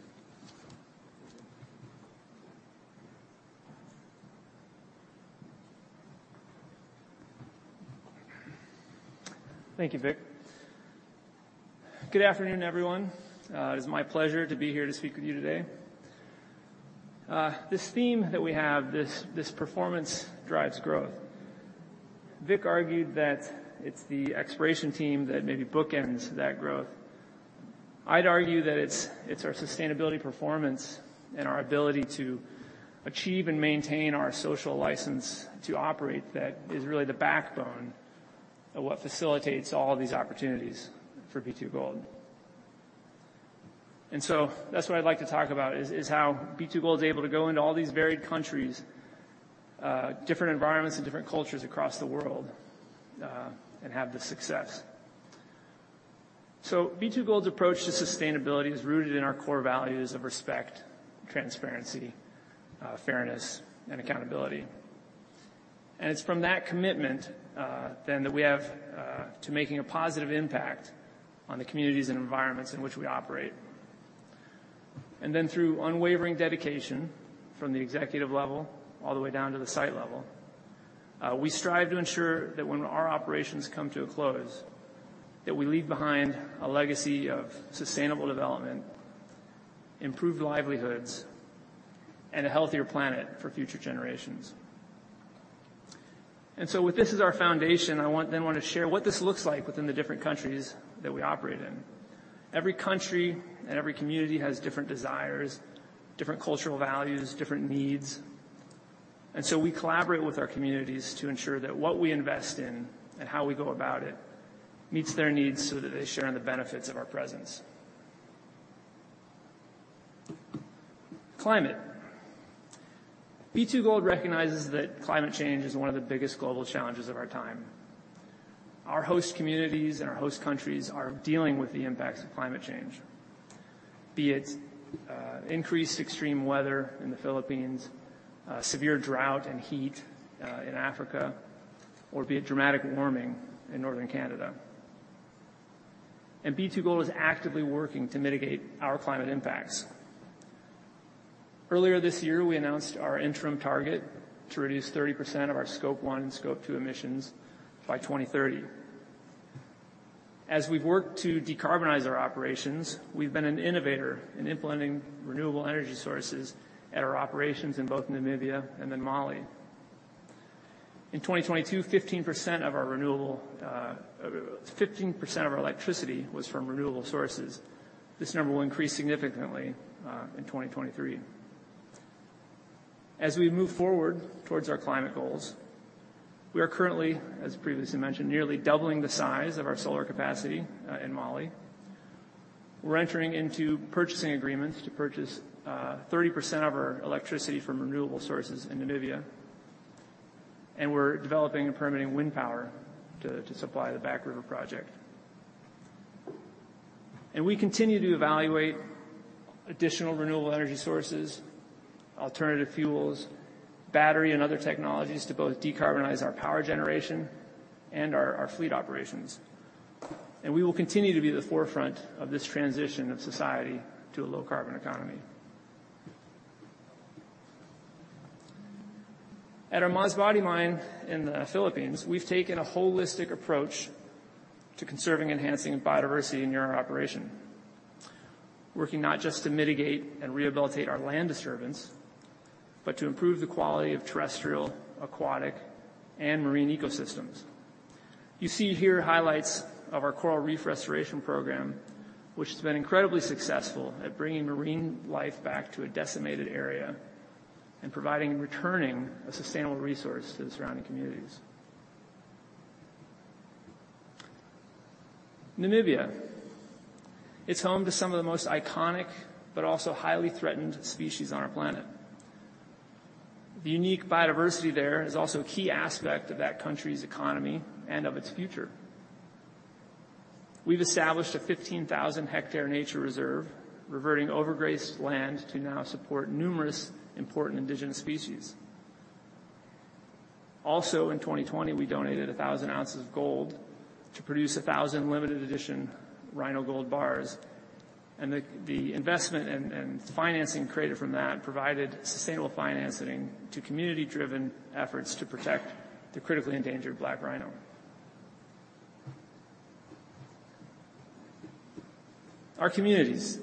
Thank you, Vic. Good afternoon, everyone. It is my pleasure to be here to speak with you today. This theme that we have, this performance drives growth. Vic argued that it's the exploration team that maybe bookends that growth. I'd argue that it's our sustainability performance and our ability to achieve and maintain our social license to operate that is really the backbone of what facilitates all these opportunities for B2Gold, and so that's what I'd like to talk about is how B2Gold is able to go into all these varied countries, different environments, and different cultures across the world and have the success. So B2Gold's approach to sustainability is rooted in our core values of respect, transparency, fairness, and accountability, and it's from that commitment then that we have to making a positive impact on the communities and environments in which we operate. And then through unwavering dedication from the executive level all the way down to the site level, we strive to ensure that when our operations come to a close, that we leave behind a legacy of sustainable development, improved livelihoods, and a healthier planet for future generations. And so with this as our foundation, I then want to share what this looks like within the different countries that we operate in. Every country and every community has different desires, different cultural values, different needs. And so we collaborate with our communities to ensure that what we invest in and how we go about it meets their needs so that they share in the benefits of our presence. Climate. B2Gold recognizes that climate change is one of the biggest global challenges of our time. Our host communities and our host countries are dealing with the impacts of climate change, be it increased extreme weather in the Philippines, severe drought and heat in Africa, or be it dramatic warming in Northern Canada. And B2Gold is actively working to mitigate our climate impacts. Earlier this year, we announced our interim target to reduce 30% of our scope one and scope two emissions by 2030. As we've worked to decarbonize our operations, we've been an innovator in implementing renewable energy sources at our operations in both Namibia and then Mali. In 2022, 15% of our electricity was from renewable sources. This number will increase significantly in 2023. As we move forward towards our climate goals, we are currently, as previously mentioned, nearly doubling the size of our solar capacity in Mali. We're entering into purchasing agreements to purchase 30% of our electricity from renewable sources in Namibia, and we're developing and permitting wind power to supply the Back River project, and we continue to evaluate additional renewable energy sources, alternative fuels, battery, and other technologies to both decarbonize our power generation and our fleet operations, and we will continue to be at the forefront of this transition of society to a low carbon economy. At our Masbate mine in the Philippines, we've taken a holistic approach to conserving and enhancing biodiversity in our operation, working not just to mitigate and rehabilitate our land disturbance, but to improve the quality of terrestrial, aquatic, and marine ecosystems. You see here highlights of our coral reef restoration program, which has been incredibly successful at bringing marine life back to a decimated area and providing and returning a sustainable resource to the surrounding communities. Namibia. It's home to some of the most iconic but also highly threatened species on our planet. The unique biodiversity there is also a key aspect of that country's economy and of its future. We've established a 15,000-hectare nature reserve, reverting overgrazed land to now support numerous important indigenous species. Also, in 2020, we donated 1,000 ounces of gold to produce 1,000 limited edition rhino gold bars, and the investment and financing created from that provided sustainable financing to community-driven efforts to protect the critically endangered black rhino. Our communities.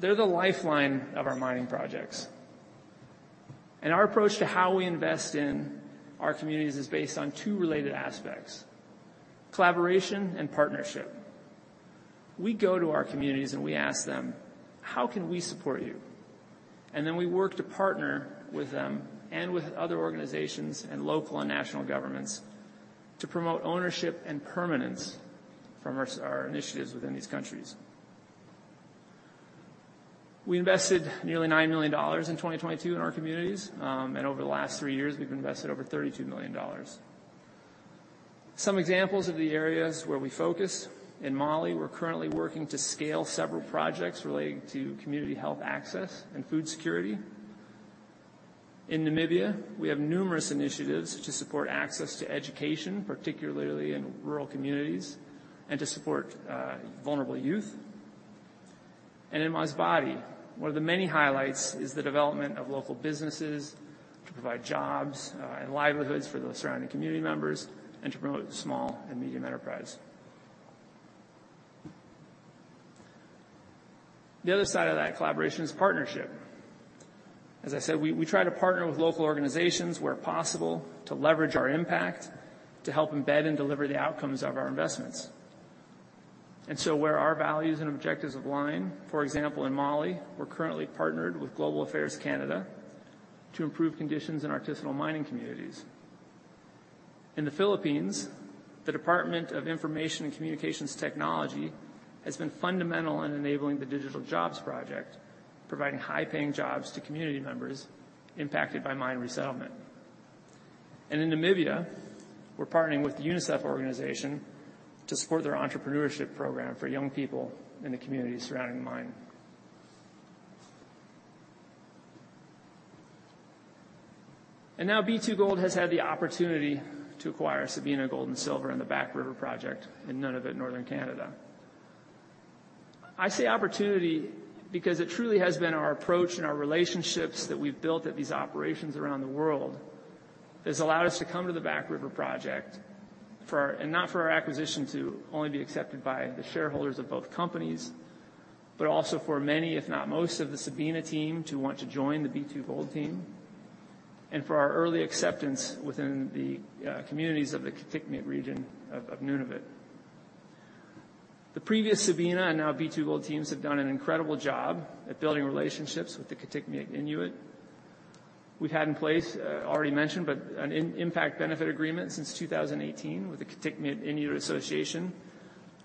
They're the lifeline of our mining projects, and our approach to how we invest in our communities is based on two related aspects: collaboration and partnership. We go to our communities and we ask them, "How can we support you?" And then we work to partner with them and with other organizations and local and national governments to promote ownership and permanence from our initiatives within these countries. We invested nearly 9 million dollars in 2022 in our communities. And over the last three years, we've invested over 32 million dollars. Some examples of the areas where we focus: in Mali, we're currently working to scale several projects relating to community health access and food security. In Namibia, we have numerous initiatives to support access to education, particularly in rural communities, and to support vulnerable youth. And in Masbate, one of the many highlights is the development of local businesses to provide jobs and livelihoods for the surrounding community members and to promote small and medium enterprise. The other side of that collaboration is partnership. As I said, we try to partner with local organizations where possible to leverage our impact to help embed and deliver the outcomes of our investments. And so where our values and objectives align, for example, in Mali, we're currently partnered with Global Affairs Canada to improve conditions in our artisanal mining communities. In the Philippines, the Department of Information and Communications Technology has been fundamental in enabling the Digital Jobs Project, providing high-paying jobs to community members impacted by mine resettlement. And in Namibia, we're partnering with the UNICEF organization to support their entrepreneurship program for young people in the community surrounding the mine. And now B2Gold has had the opportunity to acquire Sabina Gold & Silver in the Back River project in Nunavut, Northern Canada. I say opportunity because it truly has been our approach and our relationships that we've built at these operations around the world that has allowed us to come to the Back River project and not for our acquisition to only be accepted by the shareholders of both companies, but also for many, if not most, of the Sabina team to want to join the B2Gold team and for our early acceptance within the communities of the Kitikmeot region of Nunavut. The previous Sabina and now B2Gold teams have done an incredible job at building relationships with the Kitikmeot Inuit. We've had in place, already mentioned, but an impact benefit agreement since 2018 with the Kitikmeot Inuit Association,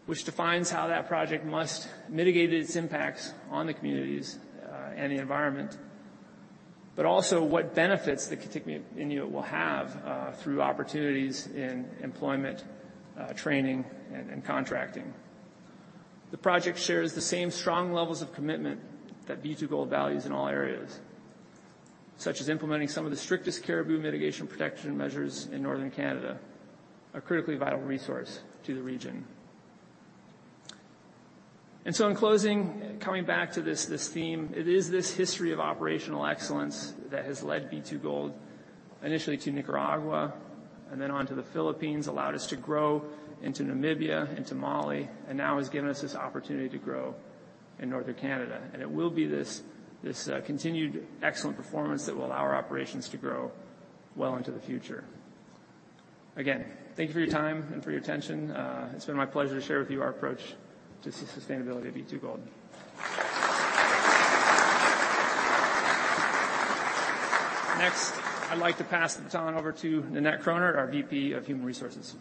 which defines how that project must mitigate its impacts on the communities and the environment, but also what benefits the Kitikmeot Inuit will have through opportunities in employment, training, and contracting. The project shares the same strong levels of commitment that B2Gold values in all areas, such as implementing some of the strictest caribou mitigation protection measures in northern Canada, a critically vital resource to the region. And so in closing, coming back to this theme, it is this history of operational excellence that has led B2Gold initially to Nicaragua and then on to the Philippines, allowed us to grow into Namibia, into Mali, and now has given us this opportunity to grow in Northern Canada. And it will be this continued excellent performance that will allow our operations to grow well into the future. Again, thank you for your time and for your attention. It's been my pleasure to share with you our approach to sustainability at B2Gold. Next, I'd like to pass the baton over to Ninette Kröhnert, our VP of Human Resources.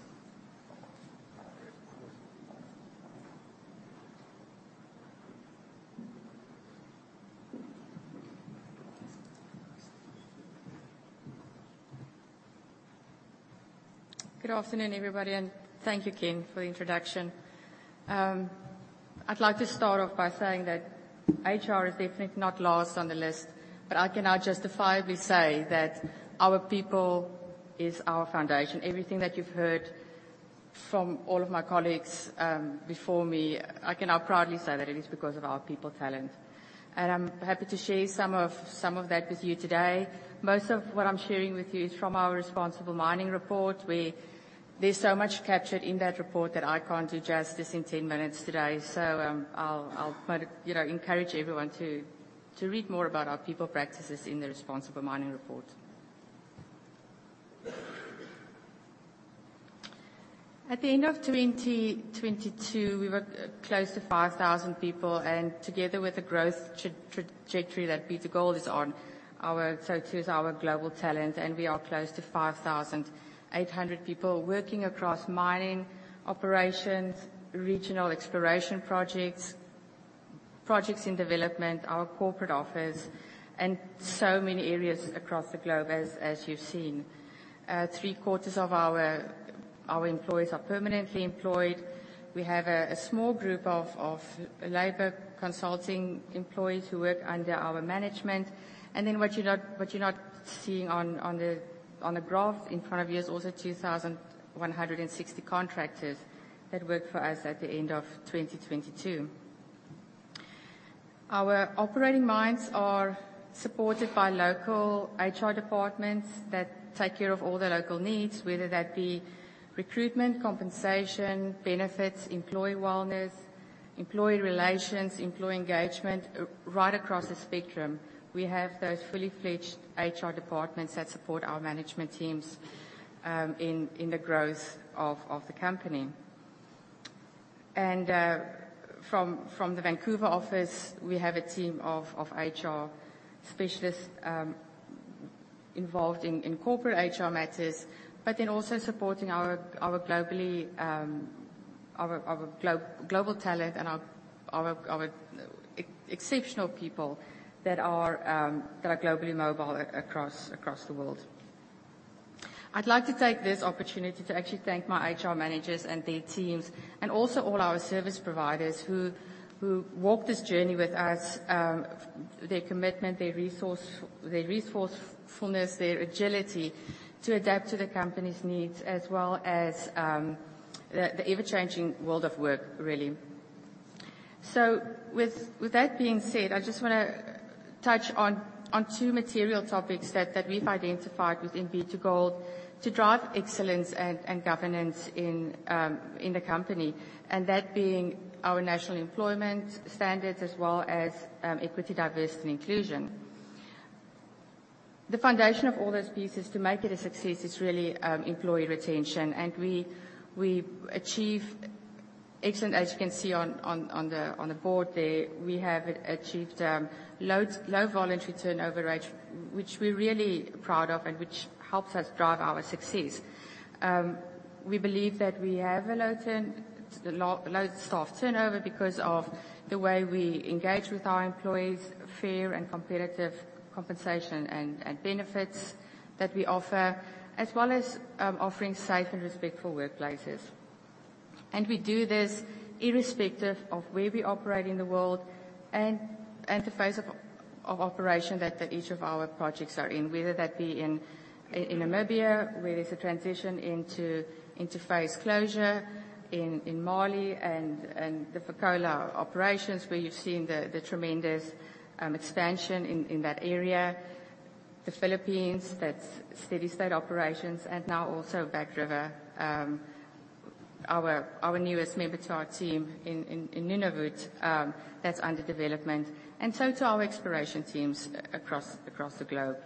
Good afternoon, everybody, and thank you, Ken, for the introduction. I'd like to start off by saying that HR is definitely not last on the list, but I can now justifiably say that our people is our foundation. Everything that you've heard from all of my colleagues before me, I can now proudly say that it is because of our people talent, and I'm happy to share some of that with you today. Most of what I'm sharing with you is from our Responsible Mining Report, where there's so much captured in that report that I can't do justice in 10 minutes today, so I'll encourage everyone to read more about our people practices in the Responsible Mining Report. At the end of 2022, we were close to 5,000 people, and together with the growth trajectory that B2Gold is on, so too is our global talent. We are close to 5,800 people working across mining operations, regional exploration projects, projects in development, our corporate office, and so many areas across the globe, as you've seen. Three quarters of our employees are permanently employed. We have a small group of labor consulting employees who work under our management. And then what you're not seeing on the graph in front of you is also 2,160 contractors that work for us at the end of 2022. Our operating mines are supported by local HR departments that take care of all the local needs, whether that be recruitment, compensation, benefits, employee wellness, employee relations, employee engagement, right across the spectrum. We have those fully fledged HR departments that support our management teams in the growth of the company. From the Vancouver office, we have a team of HR specialists involved in corporate HR matters, but then also supporting our global talent and our exceptional people that are globally mobile across the world. I'd like to take this opportunity to actually thank my HR managers and their teams, and also all our service providers who walked this journey with us, their commitment, their resourcefulness, their agility to adapt to the company's needs, as well as the ever-changing world of work, really. With that being said, I just want to touch on two material topics that we've identified within B2Gold to drive excellence and governance in the company, and that being our national employment standards as well as equity, diversity, and inclusion. The foundation of all those pieces to make it a success is really employee retention. We achieve excellent, as you can see on the board there. We have achieved low voluntary turnover rate, which we're really proud of and which helps us drive our success. We believe that we have a low staff turnover because of the way we engage with our employees, fair and competitive compensation and benefits that we offer, as well as offering safe and respectful workplaces. We do this irrespective of where we operate in the world and the phase of operation that each of our projects are in, whether that be in Namibia, where there's a transition into phase closure in Mali and the Fekola operations, where you've seen the tremendous expansion in that area, the Philippines that's steady-state operations, and now also Back River, our newest member to our team in Nunavut that's under development, and so to our exploration teams across the globe.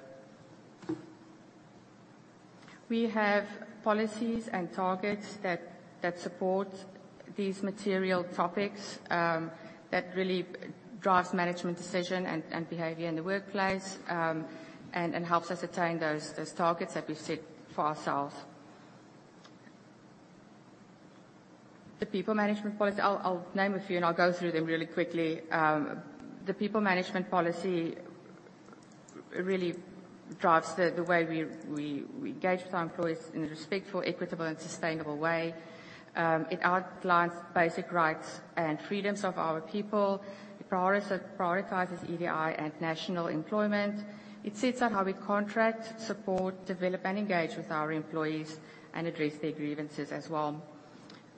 We have policies and targets that support these material topics that really drive management decision and behavior in the workplace and helps us attain those targets that we've set for ourselves. The people management policy. I'll name a few and I'll go through them really quickly. The people management policy really drives the way we engage with our employees in a respectful, equitable, and sustainable way. It outlines basic rights and freedoms of our people. It prioritizes EDI and national employment. It sets out how we contract, support, develop, and engage with our employees and address their grievances as well.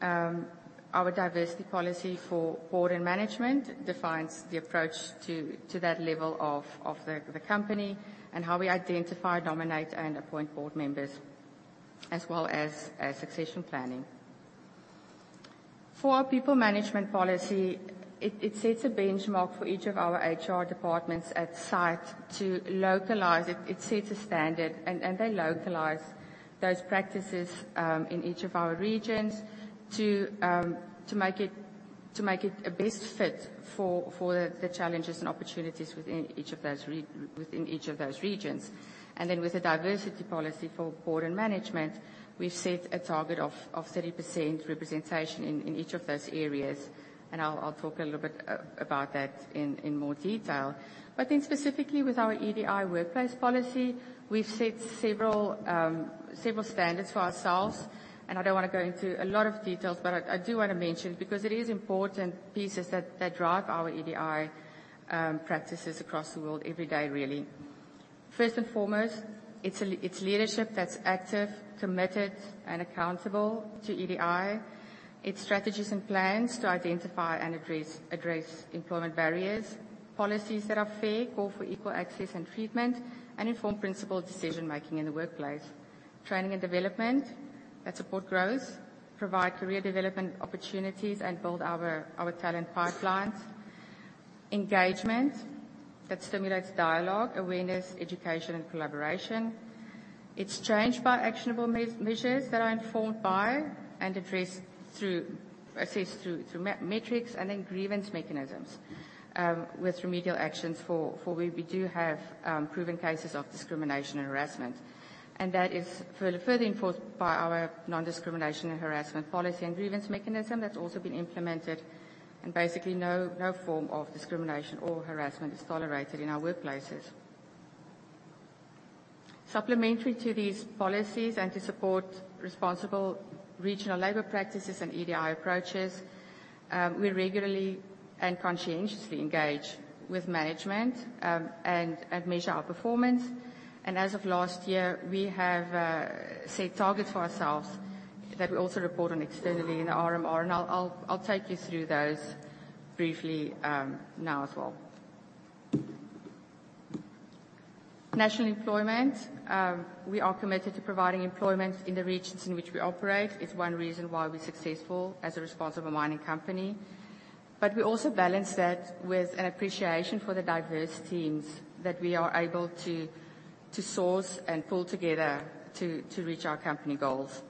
Our diversity policy for board and management defines the approach to that level of the company and how we identify, nominate, and appoint board members, as well as succession planning. For our people management policy, it sets a benchmark for each of our HR departments at site to localize it. It sets a standard, and they localize those practices in each of our regions to make it a best fit for the challenges and opportunities within each of those regions. And then with the diversity policy for board and management, we've set a target of 30% representation in each of those areas. And I'll talk a little bit about that in more detail. But then specifically with our EDI workplace policy, we've set several standards for ourselves. And I don't want to go into a lot of details, but I do want to mention because it is important pieces that drive our EDI practices across the world every day, really. First and foremost, it's leadership that's active, committed, and accountable to EDI. It's strategies and plans to identify and address employment barriers, policies that are fair, call for equal access and treatment, and informed principled decision-making in the workplace. Training and development that support growth, provide career development opportunities, and build our talent pipelines. Engagement that stimulates dialogue, awareness, education, and collaboration. It's changed by actionable measures that are informed by and addressed through metrics and then grievance mechanisms with remedial actions for where we do have proven cases of discrimination and harassment. That is further enforced by our non-discrimination and harassment policy and grievance mechanism that's also been implemented. Basically, no form of discrimination or harassment is tolerated in our workplaces. Supplementary to these policies and to support responsible regional labor practices and EDI approaches, we regularly and conscientiously engage with management and measure our performance. As of last year, we have set targets for ourselves that we also report on externally in the RMR. I'll take you through those briefly now as well. National employment, we are committed to providing employment in the regions in which we operate. It's one reason why we're successful as a responsible mining company. But we also balance that with an appreciation for the diverse teams that we are able to source and pull together to reach our company goals.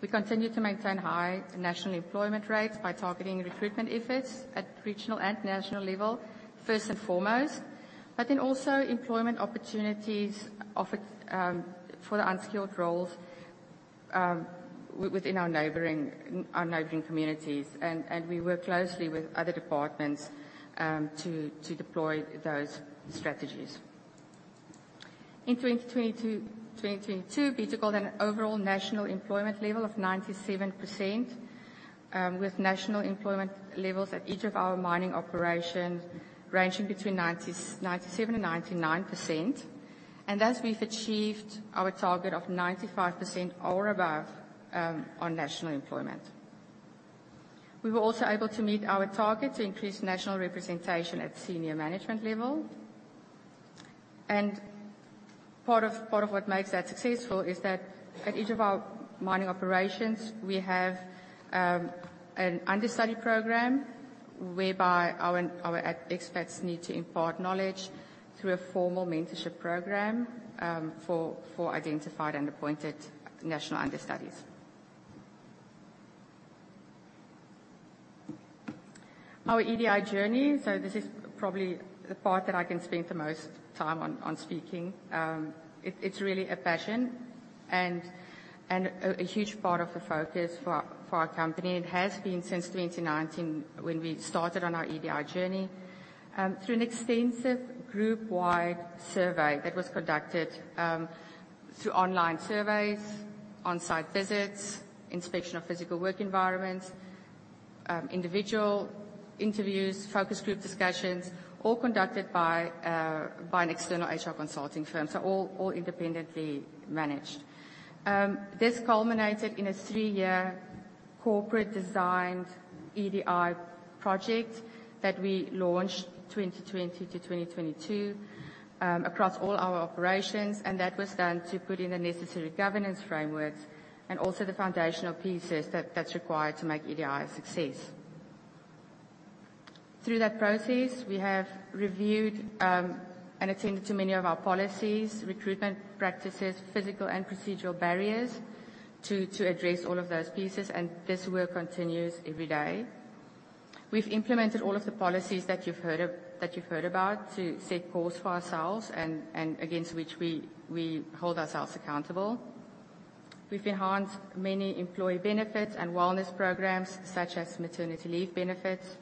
We continue to maintain high national employment rates by targeting recruitment efforts at regional and national level, first and foremost, but then also employment opportunities for the unskilled roles within our neighboring communities, and we work closely with other departments to deploy those strategies. In 2022, B2Gold had an overall national employment level of 97%, with national employment levels at each of our mining operations ranging between 97% and 99%, and thus, we've achieved our target of 95% or above on national employment. We were also able to meet our target to increase national representation at senior management level, and part of what makes that successful is that at each of our mining operations, we have an understudy program whereby our expats need to impart knowledge through a formal mentorship program for identified and appointed national understudies. Our EDI journey, so this is probably the part that I can spend the most time on speaking. It's really a passion and a huge part of the focus for our company. It has been since 2019 when we started on our EDI journey through an extensive group-wide survey that was conducted through online surveys, on-site visits, inspection of physical work environments, individual interviews, focus group discussions, all conducted by an external HR consulting firm, so all independently managed. This culminated in a three-year corporate-designed EDI project that we launched 2020-2022 across all our operations, and that was done to put in the necessary governance frameworks and also the foundational pieces that's required to make EDI a success. Through that process, we have reviewed and attended to many of our policies, recruitment practices, physical and procedural barriers to address all of those pieces, and this work continues every day. We've implemented all of the policies that you've heard about to set goals for ourselves and against which we hold ourselves accountable. We've enhanced many employee benefits and wellness programs such as maternity leave benefits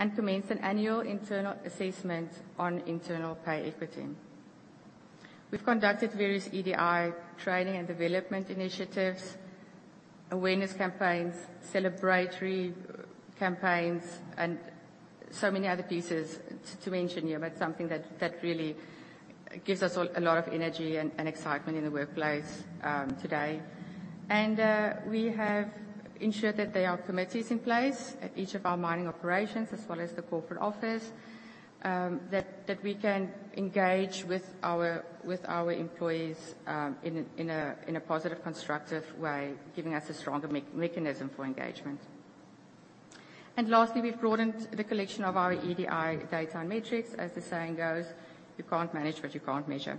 and commenced an annual internal assessment on internal pay equity. We've conducted various EDI training and development initiatives, awareness campaigns, celebratory campaigns, and so many other pieces to mention here, but something that really gives us a lot of energy and excitement in the workplace today, and we have ensured that there are committees in place at each of our mining operations as well as the corporate office that we can engage with our employees in a positive, constructive way, giving us a stronger mechanism for engagement, and lastly, we've broadened the collection of our EDI data and metrics. As the saying goes, you can't manage what you can't measure.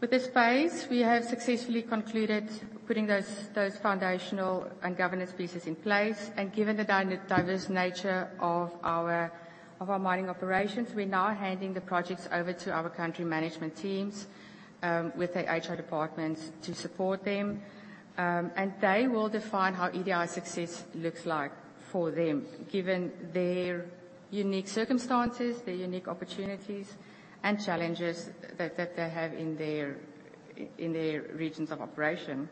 With this phase, we have successfully concluded putting those foundational and governance pieces in place, and given the diverse nature of our mining operations, we're now handing the projects over to our country management teams with their HR departments to support them. They will define how EDI success looks like for them, given their unique circumstances, their unique opportunities, and challenges that they have in their regions of operation.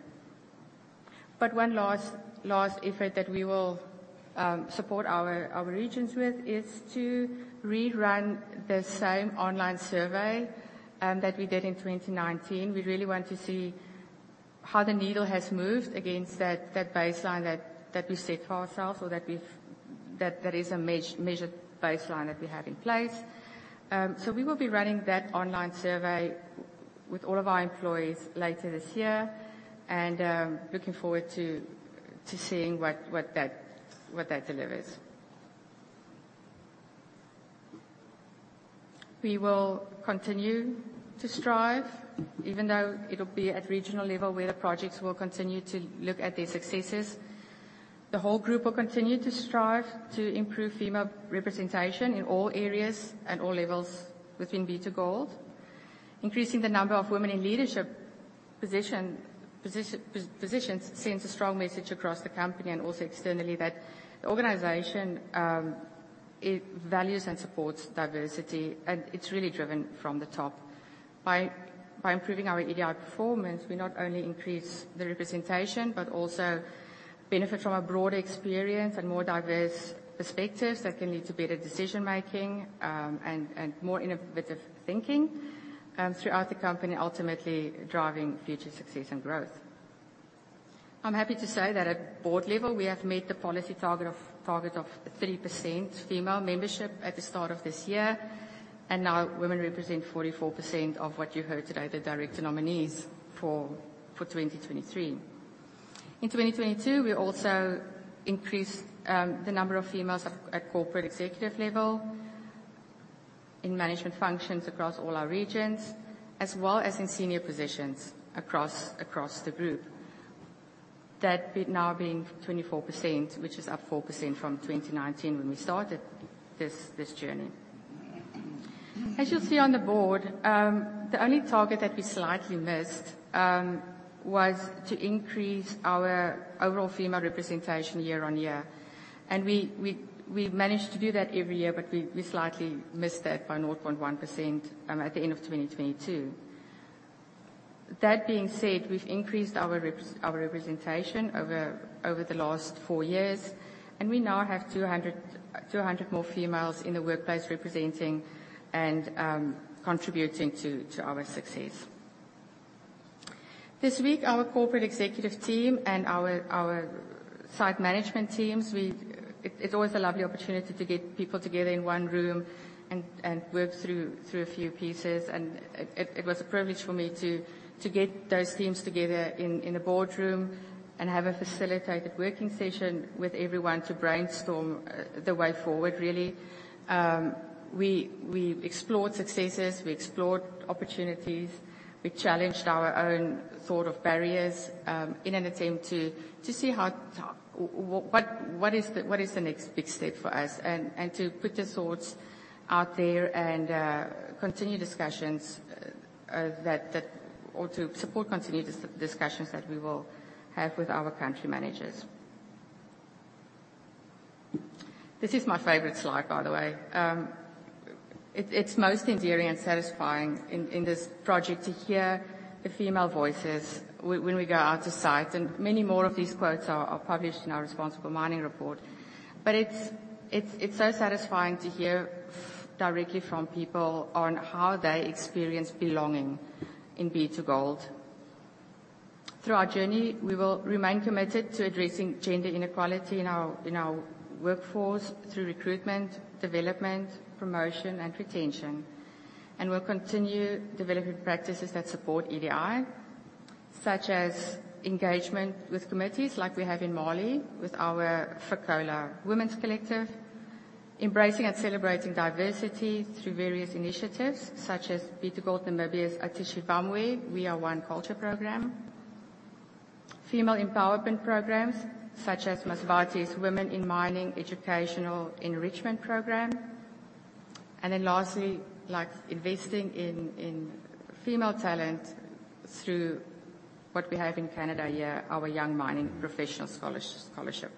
One last effort that we will support our regions with is to rerun the same online survey that we did in 2019. We really want to see how the needle has moved against that baseline that we set for ourselves or that is a measured baseline that we have in place. We will be running that online survey with all of our employees later this year and looking forward to seeing what that delivers. We will continue to strive, even though it will be at regional level where the projects will continue to look at their successes. The whole group will continue to strive to improve female representation in all areas and all levels within B2Gold. Increasing the number of women in leadership positions sends a strong message across the company and also externally that the organization values and supports diversity, and it's really driven from the top. By improving our EDI performance, we not only increase the representation, but also benefit from a broader experience and more diverse perspectives that can lead to better decision-making and more innovative thinking throughout the company, ultimately driving future success and growth. I'm happy to say that at board level, we have met the policy target of 3% female membership at the start of this year, and now women represent 44% of what you heard today, the direct nominees for 2023. In 2022, we also increased the number of females at corporate executive level in management functions across all our regions, as well as in senior positions across the group. That now being 24%, which is up 4% from 2019 when we started this journey. As you'll see on the board, the only target that we slightly missed was to increase our overall female representation year on year, and we managed to do that every year, but we slightly missed that by 0.1% at the end of 2022. That being said, we've increased our representation over the last four years, and we now have 200 more females in the workplace representing and contributing to our success. This week, our corporate executive team and our site management teams. It's always a lovely opportunity to get people together in one room and work through a few pieces, and it was a privilege for me to get those teams together in the boardroom and have a facilitated working session with everyone to brainstorm the way forward, really. We explored successes. We explored opportunities. We challenged our own thought of barriers in an attempt to see what is the next big step for us and to put the thoughts out there and continue discussions or to support continued discussions that we will have with our country managers. This is my favorite slide, by the way. It's most endearing and satisfying in this project to hear the female voices when we go out to site, and many more of these quotes are published in our responsible mining report. It's so satisfying to hear directly from people on how they experience belonging in B2Gold. Through our journey, we will remain committed to addressing gender inequality in our workforce through recruitment, development, promotion, and retention. We'll continue developing practices that support EDI, such as engagement with committees like we have in Mali with our Fekola Women's Collective, embracing and celebrating diversity through various initiatives such as B2Gold Namibia's Atushe Vamwe, We Are One culture program, female empowerment programs such as Masbate's Women in Mining Educational Enrichment Program. And then lastly, like investing in female talent through what we have in Canada here, our Young Mining Professional Scholarship.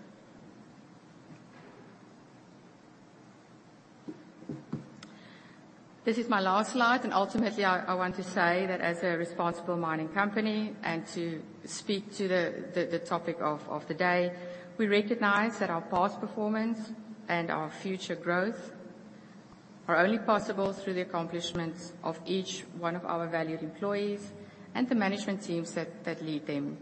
This is my last slide. And ultimately, I want to say that as a responsible mining company and to speak to the topic of the day, we recognize that our past performance and our future growth are only possible through the accomplishments of each one of our valued employees and the management teams that lead them.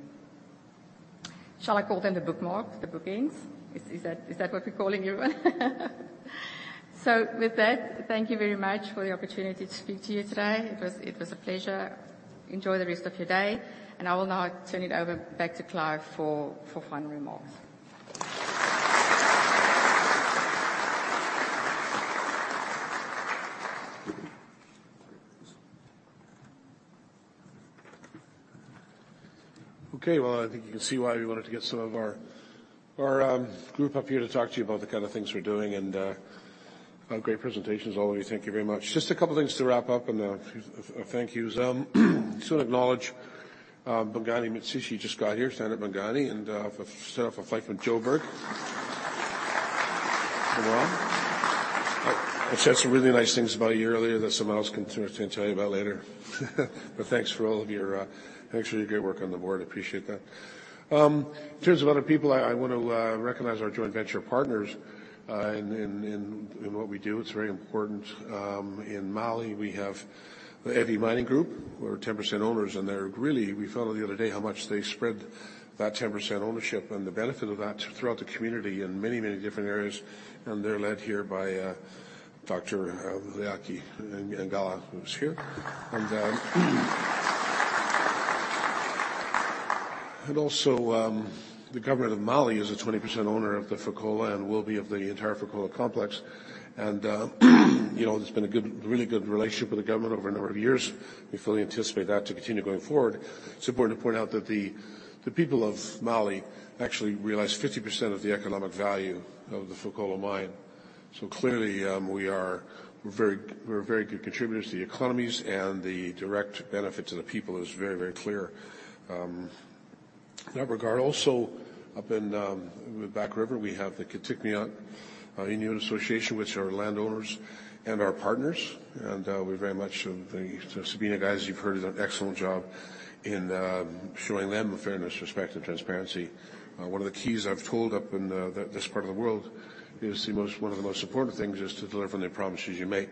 Shall I call them the bookmarks, the bookends? Is that what we're calling everyone? So with that, thank you very much for the opportunity to speak to you today. It was a pleasure. Enjoy the rest of your day. And I will now turn it over back to Clive for final remarks. Okay. Well, I think you can see why we wanted to get some of our group up here to talk to you about the kind of things we're doing. And great presentations all of you. Thank you very much. Just a couple of things to wrap up and a thank you. So I want to acknowledge Bongani Mtshisi just got here, Senator Bongani, and set off a fight with Joe Burke. I said some really nice things about a year earlier that someone else can tell you about later. But thanks for all of your actually, your great work on the board. I appreciate that. In terms of other people, I want to recognize our joint venture partners in what we do. It's very important. In Mali, we have the EVI Mining group, who are 10% owners. And we found out the other day how much they spread that 10% ownership and the benefit of that throughout the community in many, many different areas. And they're led here by Dr. Leake Hangala, who's here. And also, the government of Mali is a 20% owner of the Fekola and will be of the entire Fekola Complex. And there's been a really good relationship with the government over a number of years. We fully anticipate that to continue going forward. It's important to point out that the people of Mali actually realize 50% of the economic value of the Fekola mine. So clearly, we are very good contributors to the economies, and the direct benefit to the people is very, very clear in that regard. Also, up in the Back River, we have the Kitikmeot Inuit Association, which are landowners and our partners. We very much thank Sabina and guys. You've heard an excellent job in showing them fairness, respect, and transparency. One of the keys I've told up in this part of the world is one of the most important things is to deliver on the promises you make.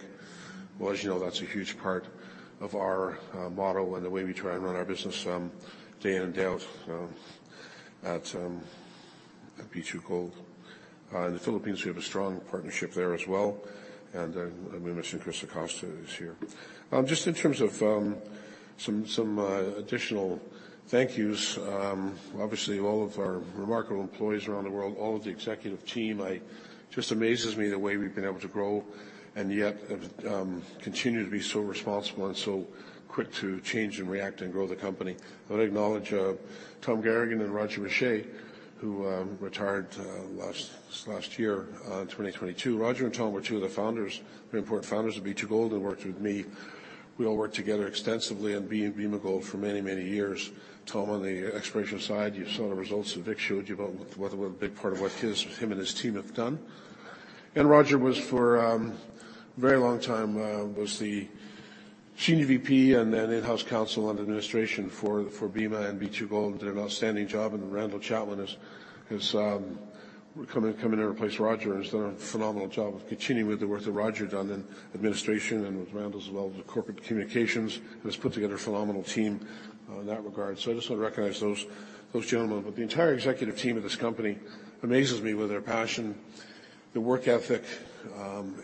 As you know, that's a huge part of our motto and the way we try and run our business day in and day out at B2Gold. In the Philippines, we have a strong partnership there as well. I'm going to mention Cris Acosta is here. Just in terms of some additional thank yous, obviously, all of our remarkable employees around the world, all of the executive team, it just amazes me the way we've been able to grow and yet continue to be so responsible and so quick to change and react and grow the company. I want to acknowledge Tom Garagan and Roger Richey, who retired last year in 2022. Roger and Tom were two of the founders, very important founders of B2Gold and worked with me. We all worked together extensively on Bema Gold for many, many years. Tom, on the exploration side, you saw the results that Vic showed you about what a big part of what him and his team have done. And Roger was for a very long time the Senior VP and then In-House Counsel and Administration for Bema and B2Gold and did an outstanding job. And Randall Chatwin has come in and replaced Roger and has done a phenomenal job of continuing with the work that Roger had done in administration and with Randall as well as corporate communications and has put together a phenomenal team in that regard. So I just want to recognize those gentlemen. But the entire executive team of this company amazes me with their passion, the work ethic,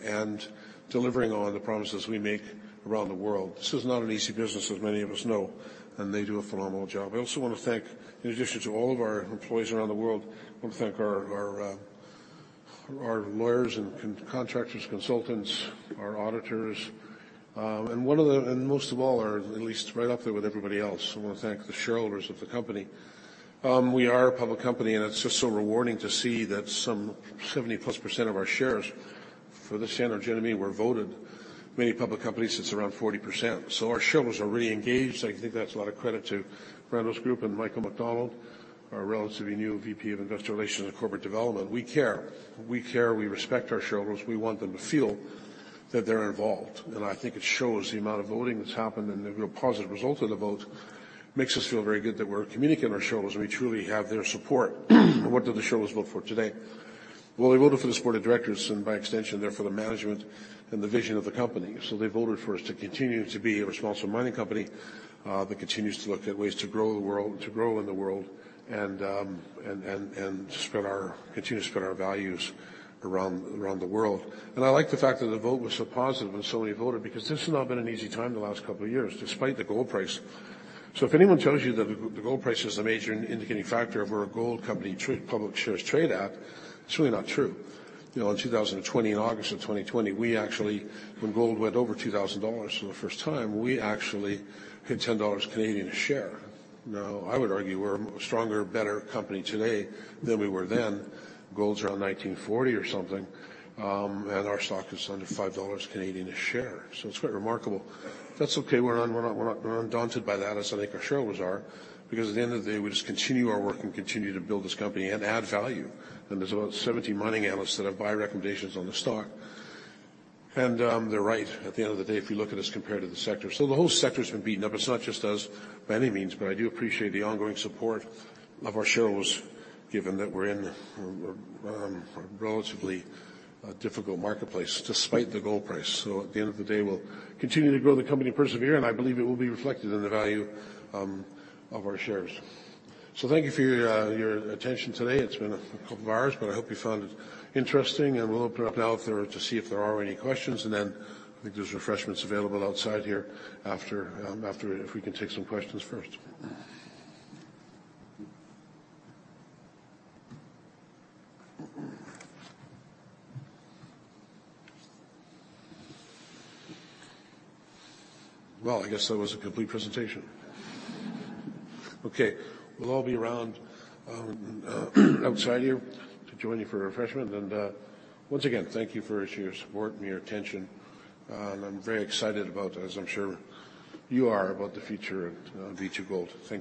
and delivering on the promises we make around the world. This is not an easy business, as many of us know, and they do a phenomenal job. I also want to thank, in addition to all of our employees around the world, I want to thank our lawyers and contractors, consultants, our auditors, and most of all, at least right up there with everybody else. I want to thank the shareholders of the company. We are a public company, and it's just so rewarding to see that 70%+ of our shares for this year, and our AGM were voted. Many public companies, it's around 40%. So our shareholders are really engaged. I think that's a lot of credit to Randall's group and Michael McDonald, our relatively new VP of Investor Relations and Corporate Development. We care. We care. We respect our shareholders. We want them to feel that they're involved. And I think it shows the amount of voting that's happened and the real positive result of the vote makes us feel very good that we're communicating with our shareholders and we truly have their support. What did the shareholders vote for today? Well, they voted for the support of directors and by extension, therefore, the management and the vision of the company. So they voted for us to continue to be a responsible mining company that continues to look at ways to grow in the world and to continue to spread our values around the world. And I like the fact that the vote was so positive when so many voted because this has not been an easy time the last couple of years, despite the gold price. So if anyone tells you that the gold price is the major indicating factor of where a gold company public shares trade at, it's really not true. In August of 2020, when gold went over 2,000 dollars for the first time, we actually hit 10 Canadian dollars a share. Now, I would argue we're a stronger, better company today than we were then. Gold's around 1,940 or something, and our stock is under 5 Canadian dollars a share. So it's quite remarkable. That's okay. We're not daunted by that, as I think our shareholders are, because at the end of the day, we just continue our work and continue to build this company and add value. There's about 70 mining analysts that have buy recommendations on the stock. And they're right. At the end of the day, if you look at us compared to the sector. So the whole sector has been beaten up. It's not just us, by any means. But I do appreciate the ongoing support of our shareholders, given that we're in a relatively difficult marketplace despite the gold price. So at the end of the day, we'll continue to grow the company and persevere. And I believe it will be reflected in the value of our shares. So thank you for your attention today. It's been a couple of hours, but I hope you found it interesting. And we'll open it up now to see if there are any questions. And then I think there's refreshments available outside here if we can take some questions first. I guess that was a complete presentation. Okay. We'll all be around outside here to join you for a refreshment. Once again, thank you for your support and your attention. I'm very excited about, as I'm sure you are, about the future of B2Gold. Thank you.